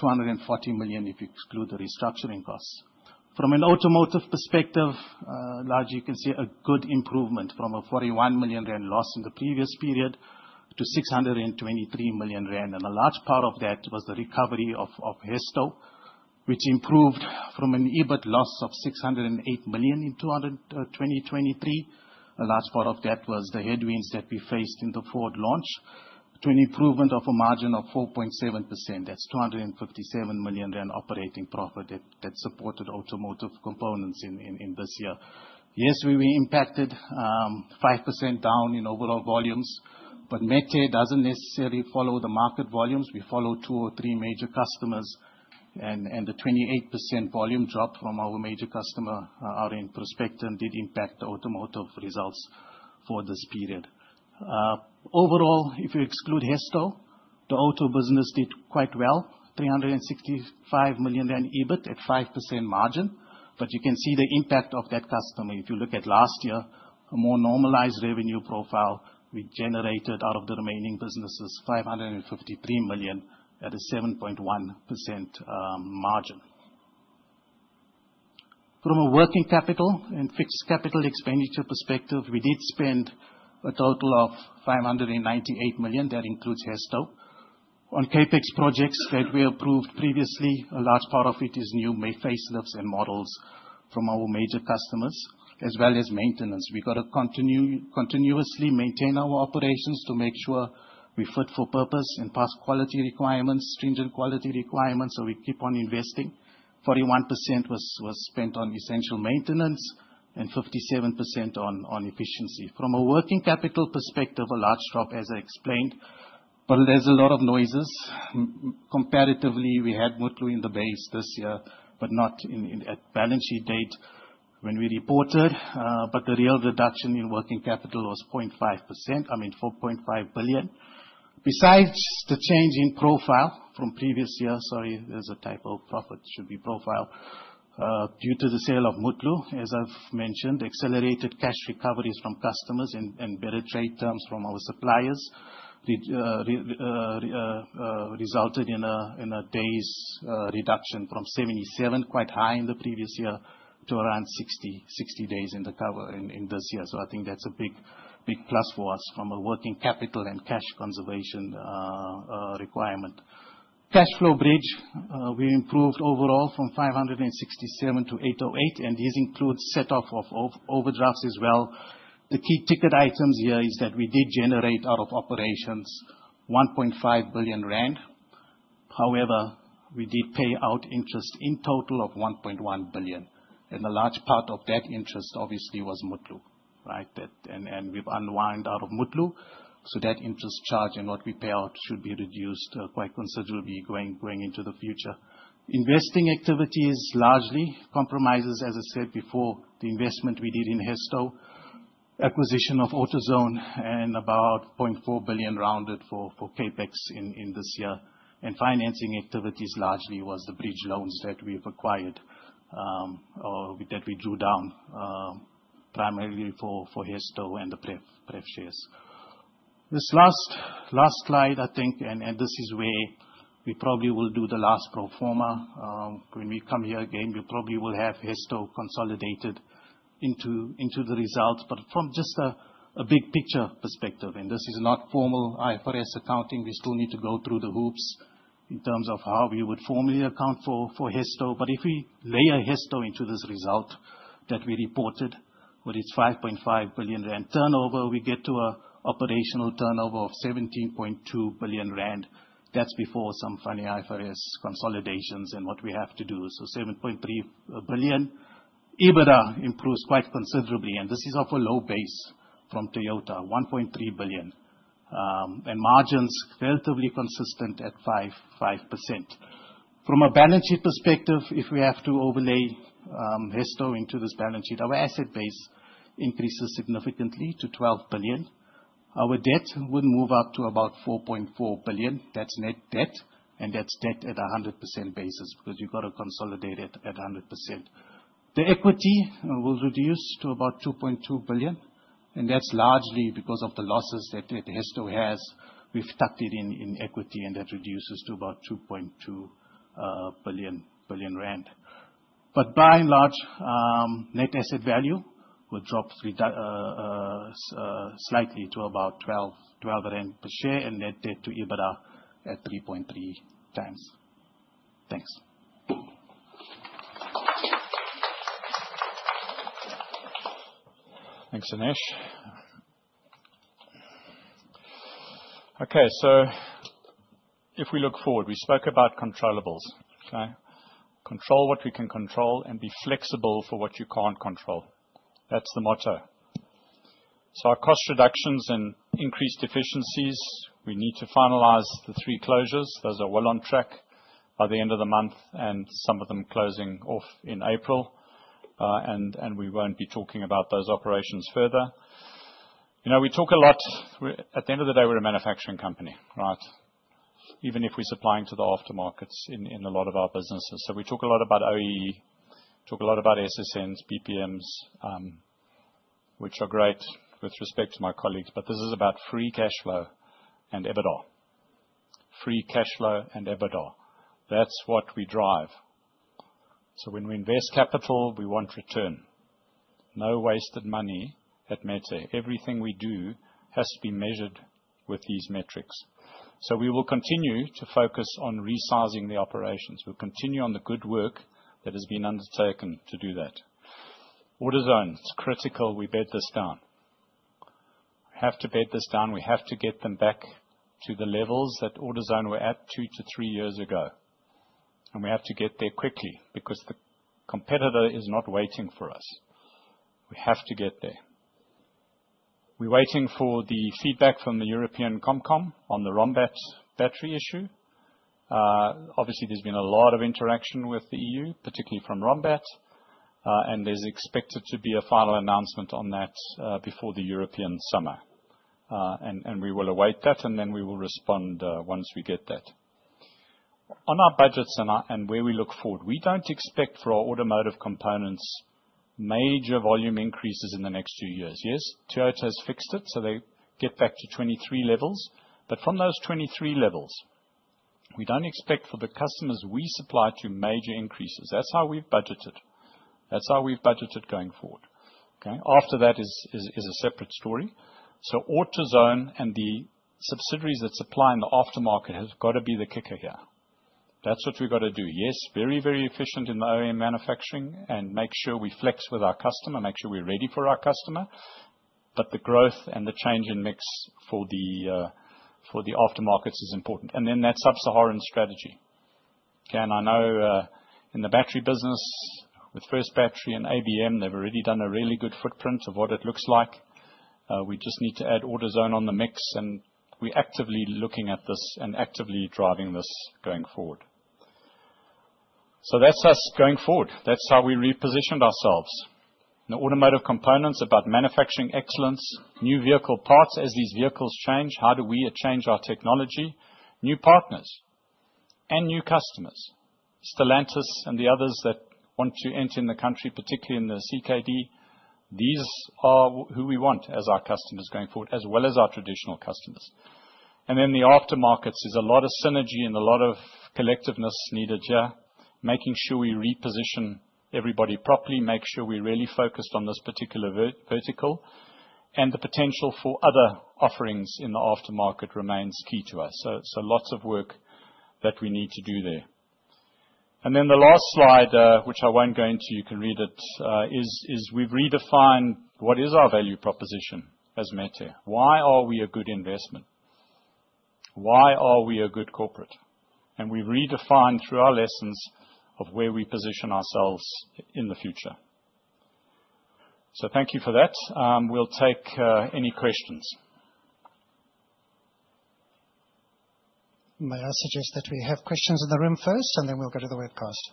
B: 240 million if you exclude the restructuring costs. From an automotive perspective, largely you can see a good improvement from a 41 million rand loss in the previous period to 623 million rand. A large part of that was the recovery of Hesto, which improved from an EBIT loss of 608 million in 2023. A large part of that was the headwinds that we faced in the Ford launch to an improvement of a margin of 4.7%. That's 257 million rand operating profit that supported automotive components in this year. Yes, we were impacted, 5% down in overall volumes, Metair doesn't necessarily follow the market volumes. We follow two or three major customers. The 28% volume drop from our major customer, are in prospect and did impact the automotive results for this period. Overall, if you exclude Hesto, the auto business did quite well, 365 million rand EBIT at 5% margin. You can see the impact of that customer. If you look at last year, a more normalized revenue profile, we generated out of the remaining businesses 553 million at a 7.1% margin. From a working capital and fixed capital expenditure perspective, we did spend a total of 598 million, that includes Hesto. On CapEx projects that we approved previously, a large part of it is new facelifts and models from our major customers, as well as maintenance. We've got to continuously maintain our operations to make sure we're fit for purpose and pass quality requirements, stringent quality requirements, so we keep on investing. 41% was spent on essential maintenance and 57% on efficiency. From a working capital perspective, a large drop, as I explained, but there's a lot of noises. Comparatively, we had Mutlu in the base this year, but not at balance sheet date when we reported. The real reduction in working capital was 0.5%, I mean, 4.5 billion. Besides the change in profile from previous years, sorry, there's a typo. Profit should be profile, due to the sale of Mutlu, as I've mentioned, accelerated cash recoveries from customers and better trade terms from our suppliers, resulted in a days reduction from 77, quite high in the previous year, to around 60 days in the cover in this year. I think that's a big plus for us from a working capital and cash conservation requirement. Cash flow bridge, we improved overall from 567 to 808, and this includes set off of overdrafts as well. The key ticket items here is that we did generate out of operations 1.5 billion rand. However, we did pay out interest in total of 1.1 billion. A large part of that interest obviously was Mutlu. Right? We've unwind out of Mutlu, so that interest charge and what we pay out should be reduced quite considerably going into the future. Investing activities largely compromises, as I said before, the investment we did in Hesto, acquisition of AutoZone and about 0.4 billion rounded for CapEx in this year. Financing activities largely was the bridge loans that we've acquired, or that we drew down, primarily for Hesto and the pref shares. This last slide, I think, this is where we probably will do the last pro forma. When we come here again, we probably will have Hesto consolidated into the results. From just a big picture perspective, this is not formal IFRS accounting, we still need to go through the hoops in terms of how we would formally account for Hesto. If we layer Hesto into this result that we reported with its 5.5 billion rand turnover, we get to an operational turnover of 17.2 billion rand. That's before some funny IFRS consolidations and what we have to do. 7.3 billion. EBITDA improves quite considerably, this is off a low base from Toyota, 1.3 billion. Margins relatively consistent at 5%. From a balance sheet perspective, if we have to overlay Hesto into this balance sheet, our asset base increases significantly to 12 billion. Our debt would move up to about 4.4 billion. That's net debt, and that's debt at 100% basis, because you've got to consolidate it at 100%. The equity will reduce to about 2.2 billion, that's largely because of the losses that Hesto has. We've tucked it in equity, that reduces to about 2.2 billion rand. By and large, net asset value will drop, slightly to about 12 rand per share and net debt to EBITDA at 3.3 times. Thanks.
A: Thanks, Anesh. Okay. If we look forward, we spoke about controllables. Control what we can control and be flexible for what you can't control. That's the motto. Our cost reductions and increased efficiencies, we need to finalize the three closures. Those are well on track by the end of the month and some of them closing off in April. We won't be talking about those operations further. At the end of the day, we're a manufacturing company. Even if we're supplying to the aftermarkets in a lot of our businesses. We talk a lot about OE, talk a lot about SSNs, BPMs, which are great with respect to my colleagues, this is about free cash flow and EBITDA. Free cash flow and EBITDA. That's what we drive. When we invest capital, we want return. No wasted money at Metair. Everything we do has to be measured with these metrics. We will continue to focus on resizing the operations. We will continue on the good work that has been undertaken to do that. AutoZone, it is critical we bed this down. We have to bed this down. We have to get them back to the levels that AutoZone was at 2-3 years ago. We have to get there quickly because the competitor is not waiting for us. We have to get there. We are waiting for the feedback from the European Commission on the Rombat battery issue. Obviously, there has been a lot of interaction with the EU, particularly from Rombat, and there is expected to be a final announcement on that before the European summer. We will await that, and then we will respond once we get that. On our budget center and where we look forward, we do not expect for our automotive components major volume increases in the next two years. Yes, Toyota has fixed it, so they get back to 23 levels. From those 23 levels, we do not expect for the customers we supply to major increases. That is how we have budgeted. That is how we have budgeted going forward. After that is a separate story. AutoZone and the subsidiaries that supply in the aftermarket has got to be the kicker here. That is what we have got to do. Yes, very, very efficient in the OEM manufacturing and make sure we flex with our customer, make sure we are ready for our customer. The growth and the change in mix for the aftermarkets is important. That sub-Saharan strategy. I know in the battery business with First Battery and ABM, they have already done a really good footprint of what it looks like. We just need to add AutoZone on the mix, and we are actively looking at this and actively driving this going forward. That is us going forward. That is how we repositioned ourselves. In the automotive components, about manufacturing excellence, new vehicle parts. As these vehicles change, how do we change our technology? New partners and new customers. Stellantis and the others that want to enter in the country, particularly in the CKD. These are who we want as our customers going forward, as well as our traditional customers. The aftermarkets. There is a lot of synergy and a lot of collectiveness needed here. Making sure we reposition everybody properly, make sure we are really focused on this particular vertical, and the potential for other offerings in the aftermarket remains key to us. Lots of work that we need to do there. The last slide, which I will not go into, you can read it, is we have redefined what is our value proposition as Metair. Why are we a good investment? Why are we a good corporate? We have redefined through our lessons of where we position ourselves in the future. Thank you for that. We will take any questions.
C: May I suggest that we have questions in the room first, and then we'll go to the webcast.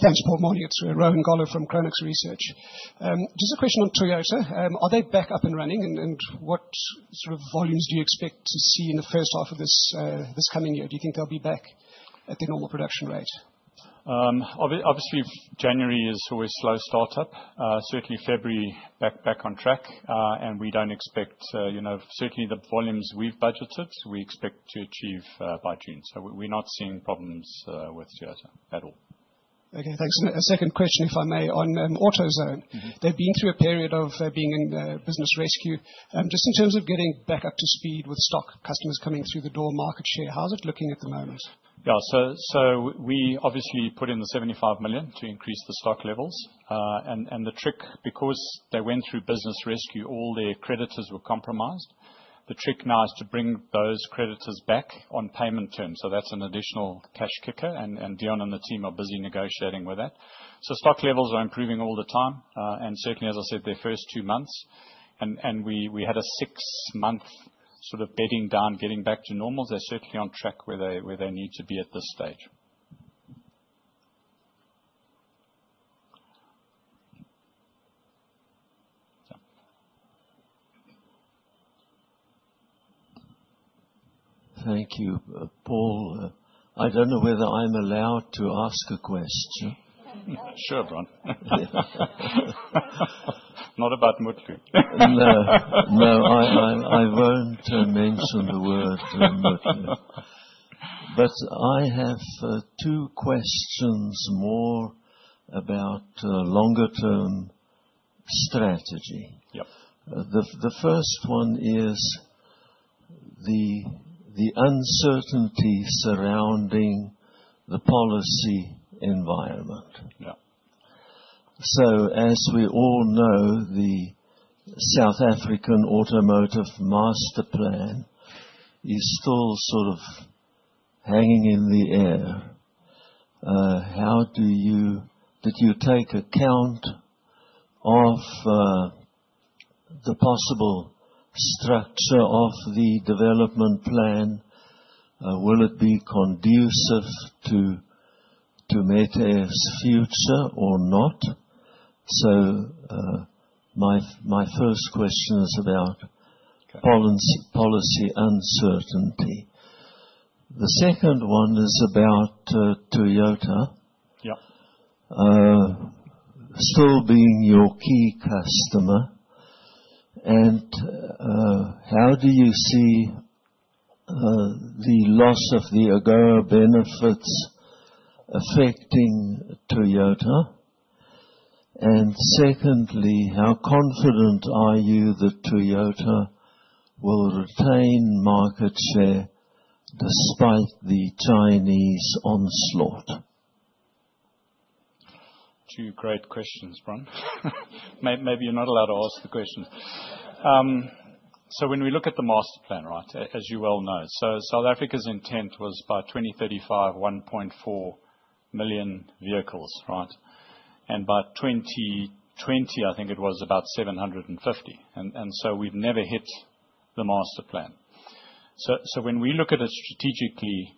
D: Thanks, Paul. Morning. It's Rowan Goeller from Chronux Research. Just a question on Toyota. Are they back up and running? What sort of volumes do you expect to see in the first half of this coming year? Do you think they'll be back at their normal production rate?
A: Obviously, January is always slow startup. Certainly February, back on track. Certainly the volumes we've budgeted, we expect to achieve by June. We're not seeing problems with Toyota at all.
D: Okay, thanks. A second question, if I may, on AutoZone. They've been through a period of being in business rescue. Just in terms of getting back up to speed with stock, customers coming through the door, market share, how is it looking at the moment?
A: Yeah. We obviously put in the 75 million to increase the stock levels. Because they went through business rescue, all their creditors were compromised. The trick now is to bring those creditors back on payment terms. That's an additional cash kicker, and Dion and the team are busy negotiating with that. Stock levels are improving all the time. Certainly, as I said, their first two months. We had a six-month sort of bedding down, getting back to normal. They're certainly on track where they need to be at this stage. Yeah.
E: Thank you, Paul. I don't know whether I'm allowed to ask a question.
A: Sure, Ron.
E: Yeah. Not about Mutlu. No. I won't mention the word Mutlu. I have two questions more about longer-term strategy.
A: Yeah.
E: The first one is the uncertainty surrounding the policy environment.
A: Yeah.
E: As we all know, the South African Automotive Masterplan is still sort of hanging in the air. Did you take account of the possible structure of the development plan? Will it be conducive to Metair's future or not? My first question is about policy uncertainty. The second one is about Toyota.
A: Yeah.
E: Still being your key customer. How do you see the loss of the AGOA benefits affecting Toyota? Secondly, how confident are you that Toyota will retain market share despite the Chinese onslaught?
A: Two great questions, Ron. Maybe you're not allowed to ask the question. When we look at the Masterplan, right, as you well know, South Africa's intent was by 2035, 1.4 million vehicles, right? By 2020, I think it was about 750. We've never hit the Masterplan. When we look at it strategically,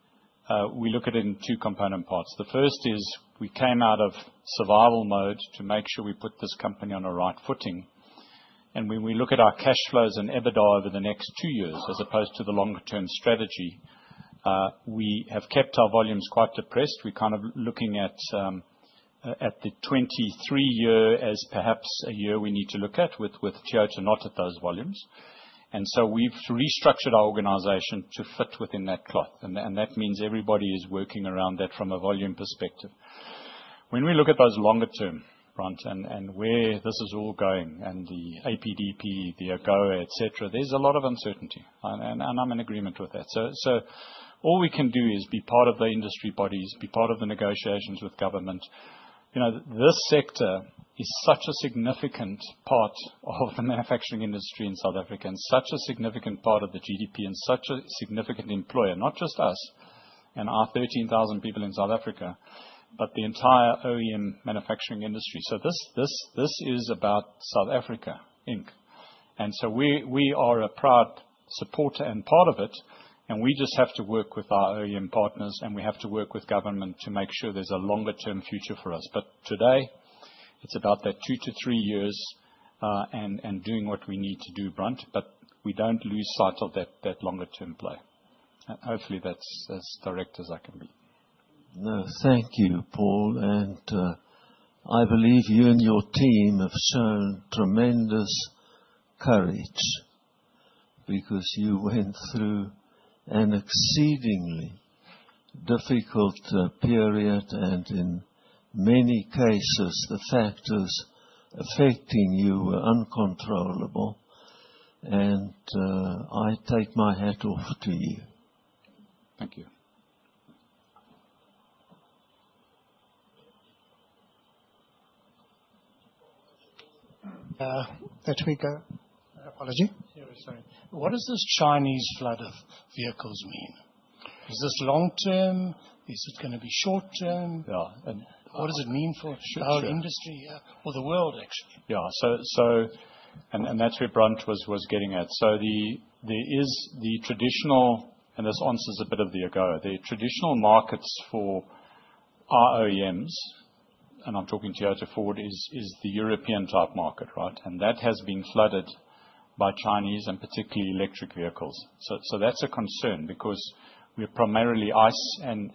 A: we look at it in two component parts. The first is we came out of survival mode to make sure we put this company on a right footing. When we look at our cash flows and EBITDA over the next two years, as opposed to the longer term strategy, we have kept our volumes quite depressed. We're kind of looking at the 2023 year as perhaps a year we need to look at with Toyota not at those volumes. We've restructured our organization to fit within that cloth. That means everybody is working around that from a volume perspective. When we look at those longer term, Brent, and where this is all going and the APDP, the AGOA, et cetera, there's a lot of uncertainty, and I'm in agreement with that. All we can do is be part of the industry bodies, be part of the negotiations with government. This sector is such a significant part of the manufacturing industry in South Africa, and such a significant part of the GDP and such a significant employer, not just us and our 13,000 people in South Africa, but the entire OEM manufacturing industry. This is about South Africa Inc. We are a proud supporter and part of it, and we just have to work with our OEM partners, and we have to work with government to make sure there's a longer-term future for us. Today, it's about that two to three years, and doing what we need to do, Brent, we don't lose sight of that longer term play. Hopefully, that's as direct as I can be.
E: No, thank you, Paul. I believe you and your team have shown tremendous courage because you went through an exceedingly difficult period, and in many cases, the factors affecting you were uncontrollable. I take my hat off to you.
A: Thank you.
C: Patrick, apology.
F: Yeah, sorry. What does this Chinese flood of vehicles mean? Is this long-term? Is it gonna be short-term?
A: Yeah.
F: What does it mean for our industry or the world, actually?
A: Yeah. That's where Ron was getting at. There is the traditional, and this answers a bit of the AGOA. The traditional markets for our OEMs, and I'm talking Toyota, Ford, is the European type market, right? That has been flooded by Chinese and particularly electric vehicles. That's a concern because we're primarily ICE and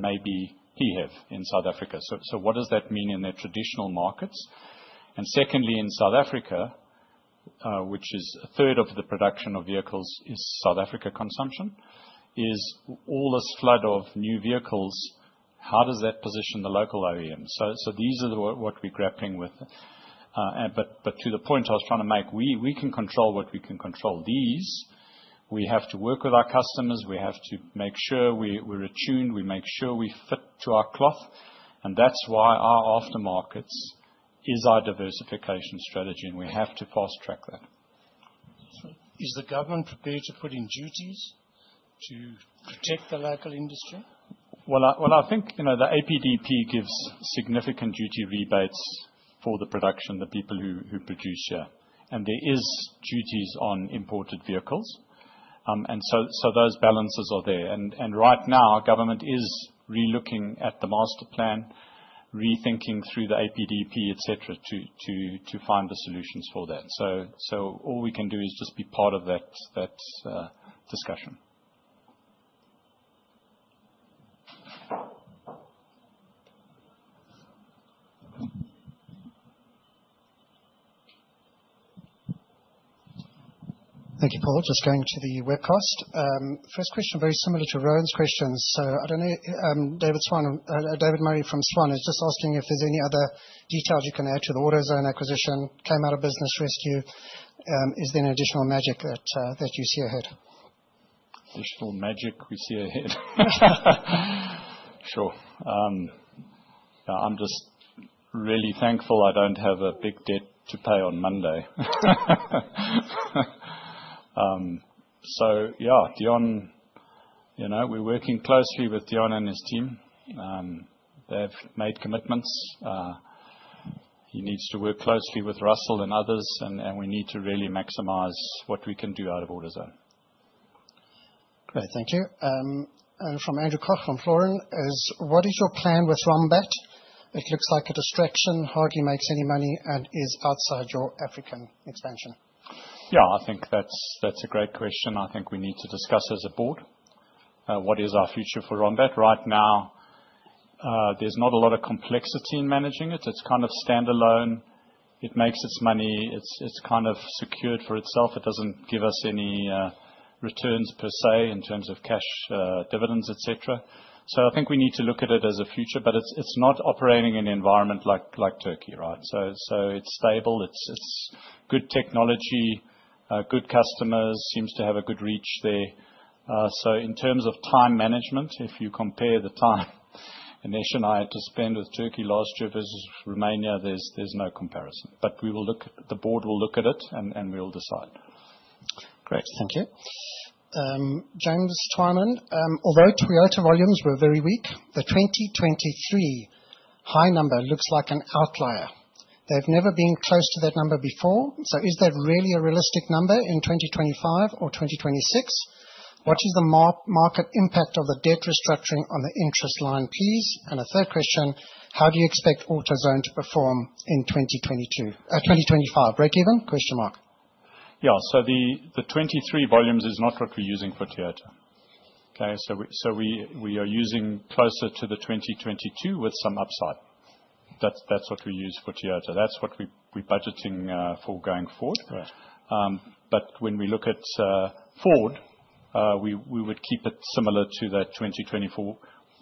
A: maybe PHEV in South Africa. What does that mean in their traditional markets? Secondly, in South Africa, which is a third of the production of vehicles is South Africa consumption, is all this flood of new vehicles, how does that position the local OEMs? These are what we're grappling with. To the point I was trying to make, we can control what we can control. These, we have to work with our customers. We have to make sure we're attuned. We make sure we fit to our cloth. That's why our aftermarkets is our diversification strategy, and we have to fast-track that.
F: Is the government prepared to put in duties to protect the local industry?
A: Well, I think the APDP gives significant duty rebates for the production, the people who produce here. There is duties on imported vehicles. Those balances are there. Right now, our government is re-looking at the master plan, rethinking through the APDP, et cetera, to find the solutions for that. All we can do is just be part of that discussion.
C: Thank you, Paul. Just going to the webcast. First question, very similar to Rowan's question. I don't know, David Murray from Swan is just asking if there's any other details you can add to the AutoZone acquisition, came out of business rescue. Is there any additional magic that you see ahead?
A: Additional magic we see ahead? Sure. I'm just really thankful I don't have a big debt to pay on Monday. Yeah, Dion, we're working closely with Dion and his team. They've made commitments. He needs to work closely with Russell and others, and we need to really maximize what we can do out of AutoZone.
C: Great, thank you. From Andrew Koch from Florin is, what is your plan with Rombat? It looks like a distraction, hardly makes any money, and is outside your African expansion.
A: I think that's a great question. I think we need to discuss as a board, what is our future for Rombat. Right now, there's not a lot of complexity in managing it. It's kind of standalone. It makes its money. It's kind of secured for itself. It doesn't give us any returns per se in terms of cash, dividends, et cetera. I think we need to look at it as a future, but it's not operating in an environment like Turkey, right? It's stable, it's good technology, good customers, seems to have a good reach there. In terms of time management, if you compare the time Anesh and I had to spend with Turkey last year versus Romania, there's no comparison. The board will look at it, and we'll decide.
C: Great, thank you. James Twyman. Although Toyota volumes were very weak, the 2023 high number looks like an outlier. They've never been close to that number before, is that really a realistic number in 2025 or 2026? What is the market impact of the debt restructuring on the interest line piece? A third question, how do you expect AutoZone to perform in 2022, 2025? Breakeven?
A: The 2023 volumes is not what we're using for Toyota. Okay. We are using closer to the 2022 with some upside. That's what we use for Toyota. That's what we're budgeting for going forward.
C: Right.
A: When we look at Ford, we would keep it similar to the 2024,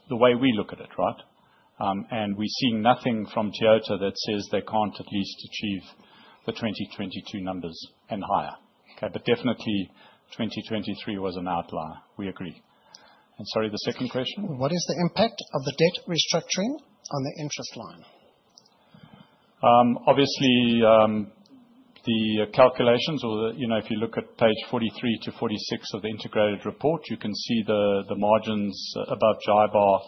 A: the way we look at it, right? We're seeing nothing from Toyota that says they can't at least achieve the 2022 numbers and higher. Okay. Definitely 2023 was an outlier. We agree. Sorry, the second question?
C: What is the impact of the debt restructuring on the interest line?
A: The calculations or if you look at page 43 to 46 of the integrated report, you can see the margins above JIBAR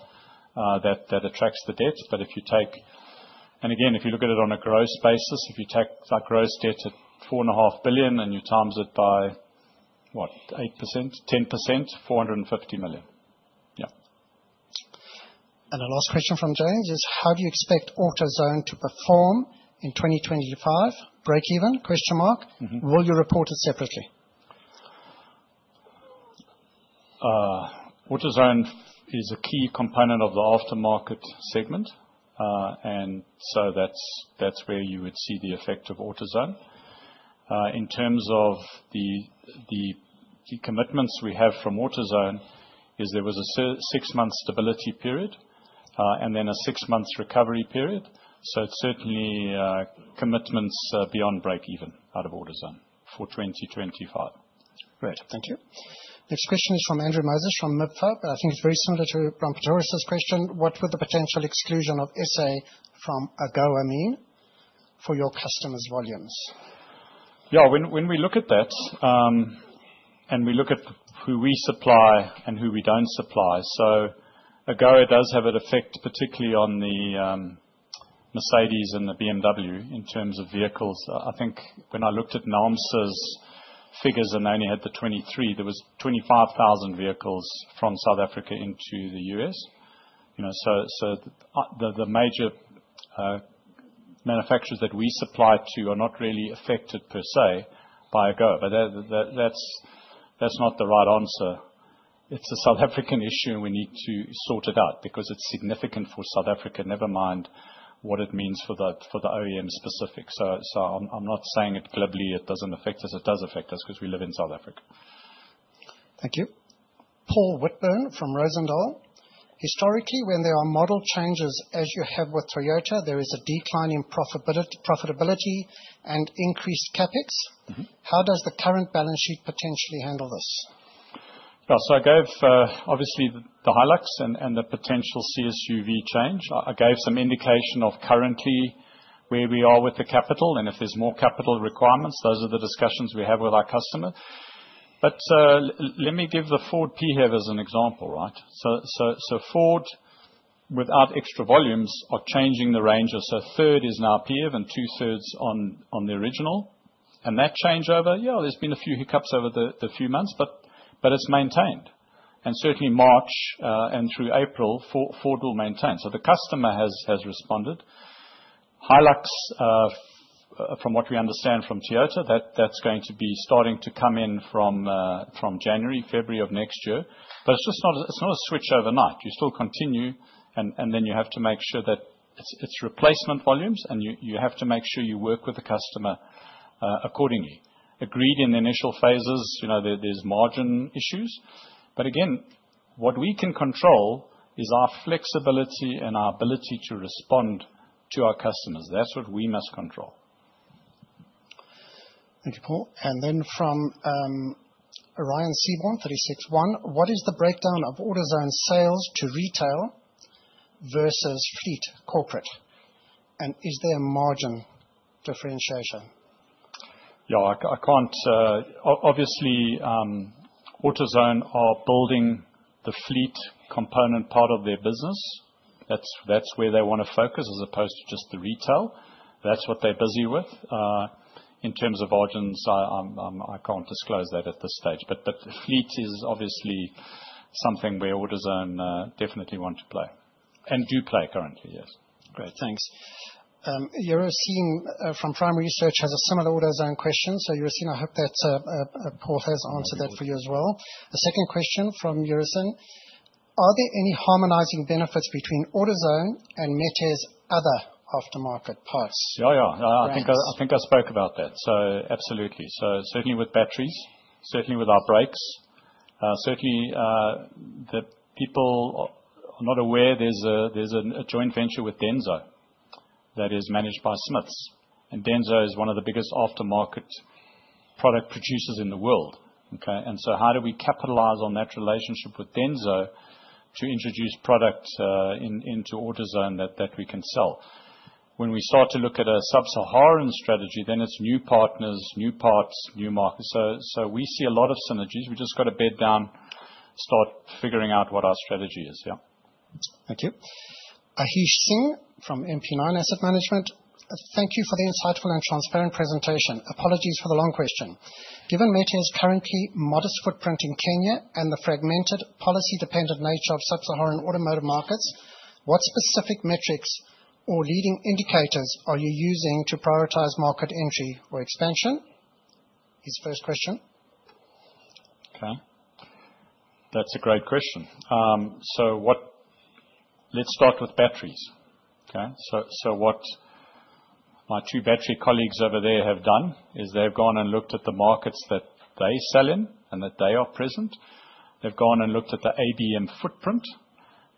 A: that attracts the debt. If you take again, if you look at it on a gross basis, if you take that gross debt at four and a half billion, and you times it by what, 8%, 10%, 450 million.
C: The last question from James is, how do you expect AutoZone to perform in 2025? Breakeven? Will you report it separately?
A: AutoZone is a key component of the aftermarket segment. That is where you would see the effect of AutoZone. In terms of the commitments we have from AutoZone, there was a 6-month stability period, then a 6-month recovery period. It is certainly commitments beyond break even out of AutoZone for 2025.
C: Great, thank you. Next question is from Andrew Moses from MIPFOC. I think it is very similar to Ron Patorus' question. What would the potential exclusion of SA from AGOA mean for your customers' volumes?
A: When we look at that, we look at who we supply and who we do not supply. AGOA does have an effect, particularly on the Mercedes and the BMW in terms of vehicles. I think when I looked at naamsa's figures, I only had the 23, there were 25,000 vehicles from South Africa into the U.S. The major manufacturers that we supply to are not really affected per se by AGOA. That is not the right answer. It is a South African issue, we need to sort it out because it is significant for South Africa, never mind what it means for the OEM specific. I am not saying it glibly, it does not affect us. It does affect us because we live in South Africa.
C: Thank you. Paul Whitburn from Rozendal. Historically, when there are model changes as you have with Toyota, there is a decline in profitability and increased CapEx. How does the current balance sheet potentially handle this?
A: Yeah. I gave, obviously, the Hilux and the potential C-SUV change. I gave some indication of currently where we are with the capital, if there's more capital requirements, those are the discussions we have with our customer. Let me give the Ford PHEV as an example, right? Ford, without extra volumes, are changing the range. A third is now PHEV and two-thirds on the original. That changeover, yeah, there's been a few hiccups over the few months, but it's maintained. Certainly March, and through April, Ford will maintain. The customer has responded. Hilux, from what we understand from Toyota, that's going to be starting to come in from January, February of next year. It's not a switch overnight. You still continue, you have to make sure that it's replacement volumes, you have to make sure you work with the customer accordingly. Agreed in the initial phases, there's margin issues. Again, what we can control is our flexibility and our ability to respond to our customers. That's what we must control.
C: Thank you, Paul. From, Ryan Seaborn, 36ONE, what is the breakdown of AutoZone sales to retail versus fleet corporate? Is there a margin differentiation?
A: AutoZone are building the fleet component part of their business. That's where they want to focus as opposed to just the retail. That's what they're busy with. In terms of margins, I can't disclose that at this stage, fleet is obviously something where AutoZone definitely want to play, and do play currently. Yes.
C: Great. Thanks. Eurosim from PRIM Research has a similar AutoZone question. Eurosim, I hope that Paul has answered that for you as well. A second question from Eurosim, are there any harmonizing benefits between AutoZone and Metair's other aftermarket parts?
A: I think I spoke about that. Absolutely. Certainly with batteries, certainly with our brakes. Certainly, the people are not aware there's a joint venture with Denso that is managed by Smiths. Denso is one of the biggest aftermarket product producers in the world. Okay. How do we capitalize on that relationship with Denso to introduce products into AutoZone that we can sell? When we start to look at a Sub-Saharan strategy, it's new partners, new parts, new markets. We see a lot of synergies. We just got to bed down, start figuring out what our strategy is. Yeah.
C: Thank you. Asheen Singh from MP9 Asset Management. Thank you for the insightful and transparent presentation. Apologies for the long question. Given Metair's currently modest footprint in Kenya and the fragmented policy-dependent nature of Sub-Saharan automotive markets, what specific metrics or leading indicators are you using to prioritize market entry or expansion? Is the first question.
A: That's a great question. Let's start with batteries. Okay? What my two battery colleagues over there have done is they've gone and looked at the markets that they sell in and that they are present. They've gone and looked at the ABM footprint.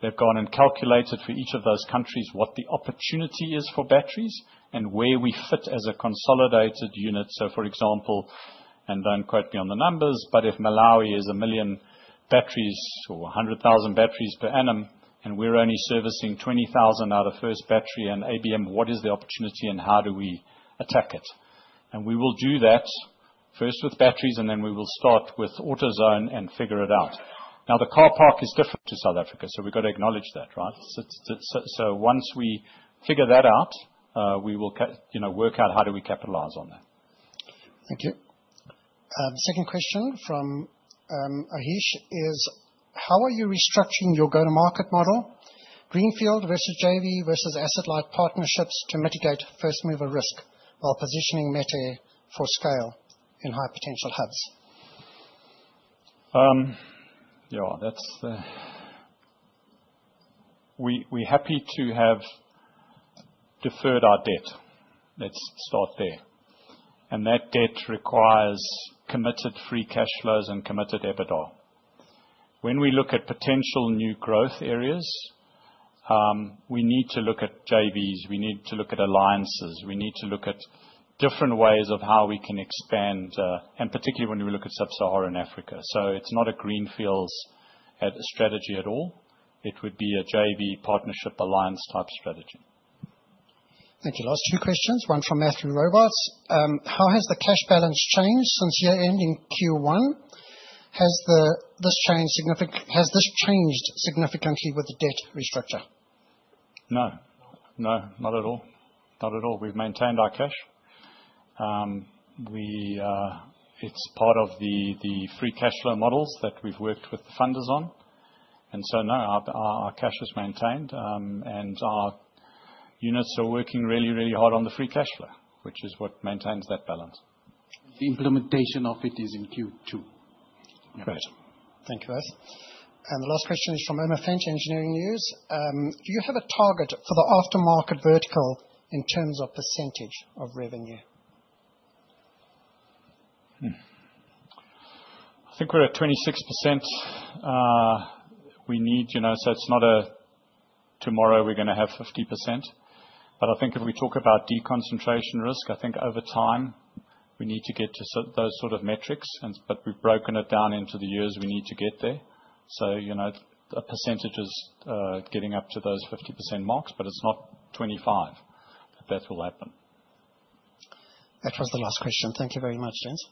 A: They've gone and calculated for each of those countries what the opportunity is for batteries and where we fit as a consolidated unit. For example, and don't quote me on the numbers, but if Malawi is 1 million batteries or 100,000 batteries per annum, and we're only servicing 20,000 out of First Battery and ABM, what is the opportunity and how do we attack it? We will do that first with batteries, and then we will start with AutoZone and figure it out. The car park is different to South Africa, we've got to acknowledge that, right? Once we figure that out, we will work out how do we capitalize on that.
C: Thank you. Second question from Ahish is, how are you restructuring your go-to-market model, greenfield versus JV versus asset-light partnerships to mitigate first-mover risk while positioning Metair for scale in high potential hubs?
A: We're happy to have deferred our debt. Let's start there. That debt requires committed free cash flows and committed EBITDA. When we look at potential new growth areas, we need to look at JVs, we need to look at alliances, we need to look at different ways of how we can expand, and particularly when we look at Sub-Saharan Africa. It's not a greenfields strategy at all. It would be a JV partnership alliance type strategy.
C: Thank you. Last few questions, one from Matthew Roberts. How has the cash balance changed since year-end in Q1? Has this changed significantly with the debt restructure?
A: No. Not at all. We've maintained our cash. It's part of the free cash flow models that we've worked with the funders on. No, our cash is maintained, and our units are working really, really hard on the free cash flow, which is what maintains that balance.
C: The implementation of it is in Q2.
A: Correct.
C: Thank you for that. The last question is from [Omar Finch, Engineering News. Do you have a target for the aftermarket vertical in terms of percentage of revenue?
A: I think we're at 26%. It's not tomorrow we're going to have 50%. I think if we talk about deconcentration risk, I think over time, we need to get to those sort of metrics, but we've broken it down into the years we need to get there. A percentage is getting up to those 50% marks, but it's not 25 that will happen.
C: That was the last question. Thank you very much, gents.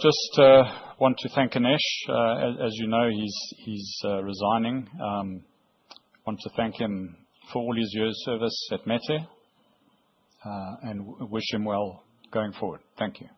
A: Just want to thank Kanish. As you know, he's resigning. Want to thank him for all his years of service at Metair, and wish him well going forward. Thank you.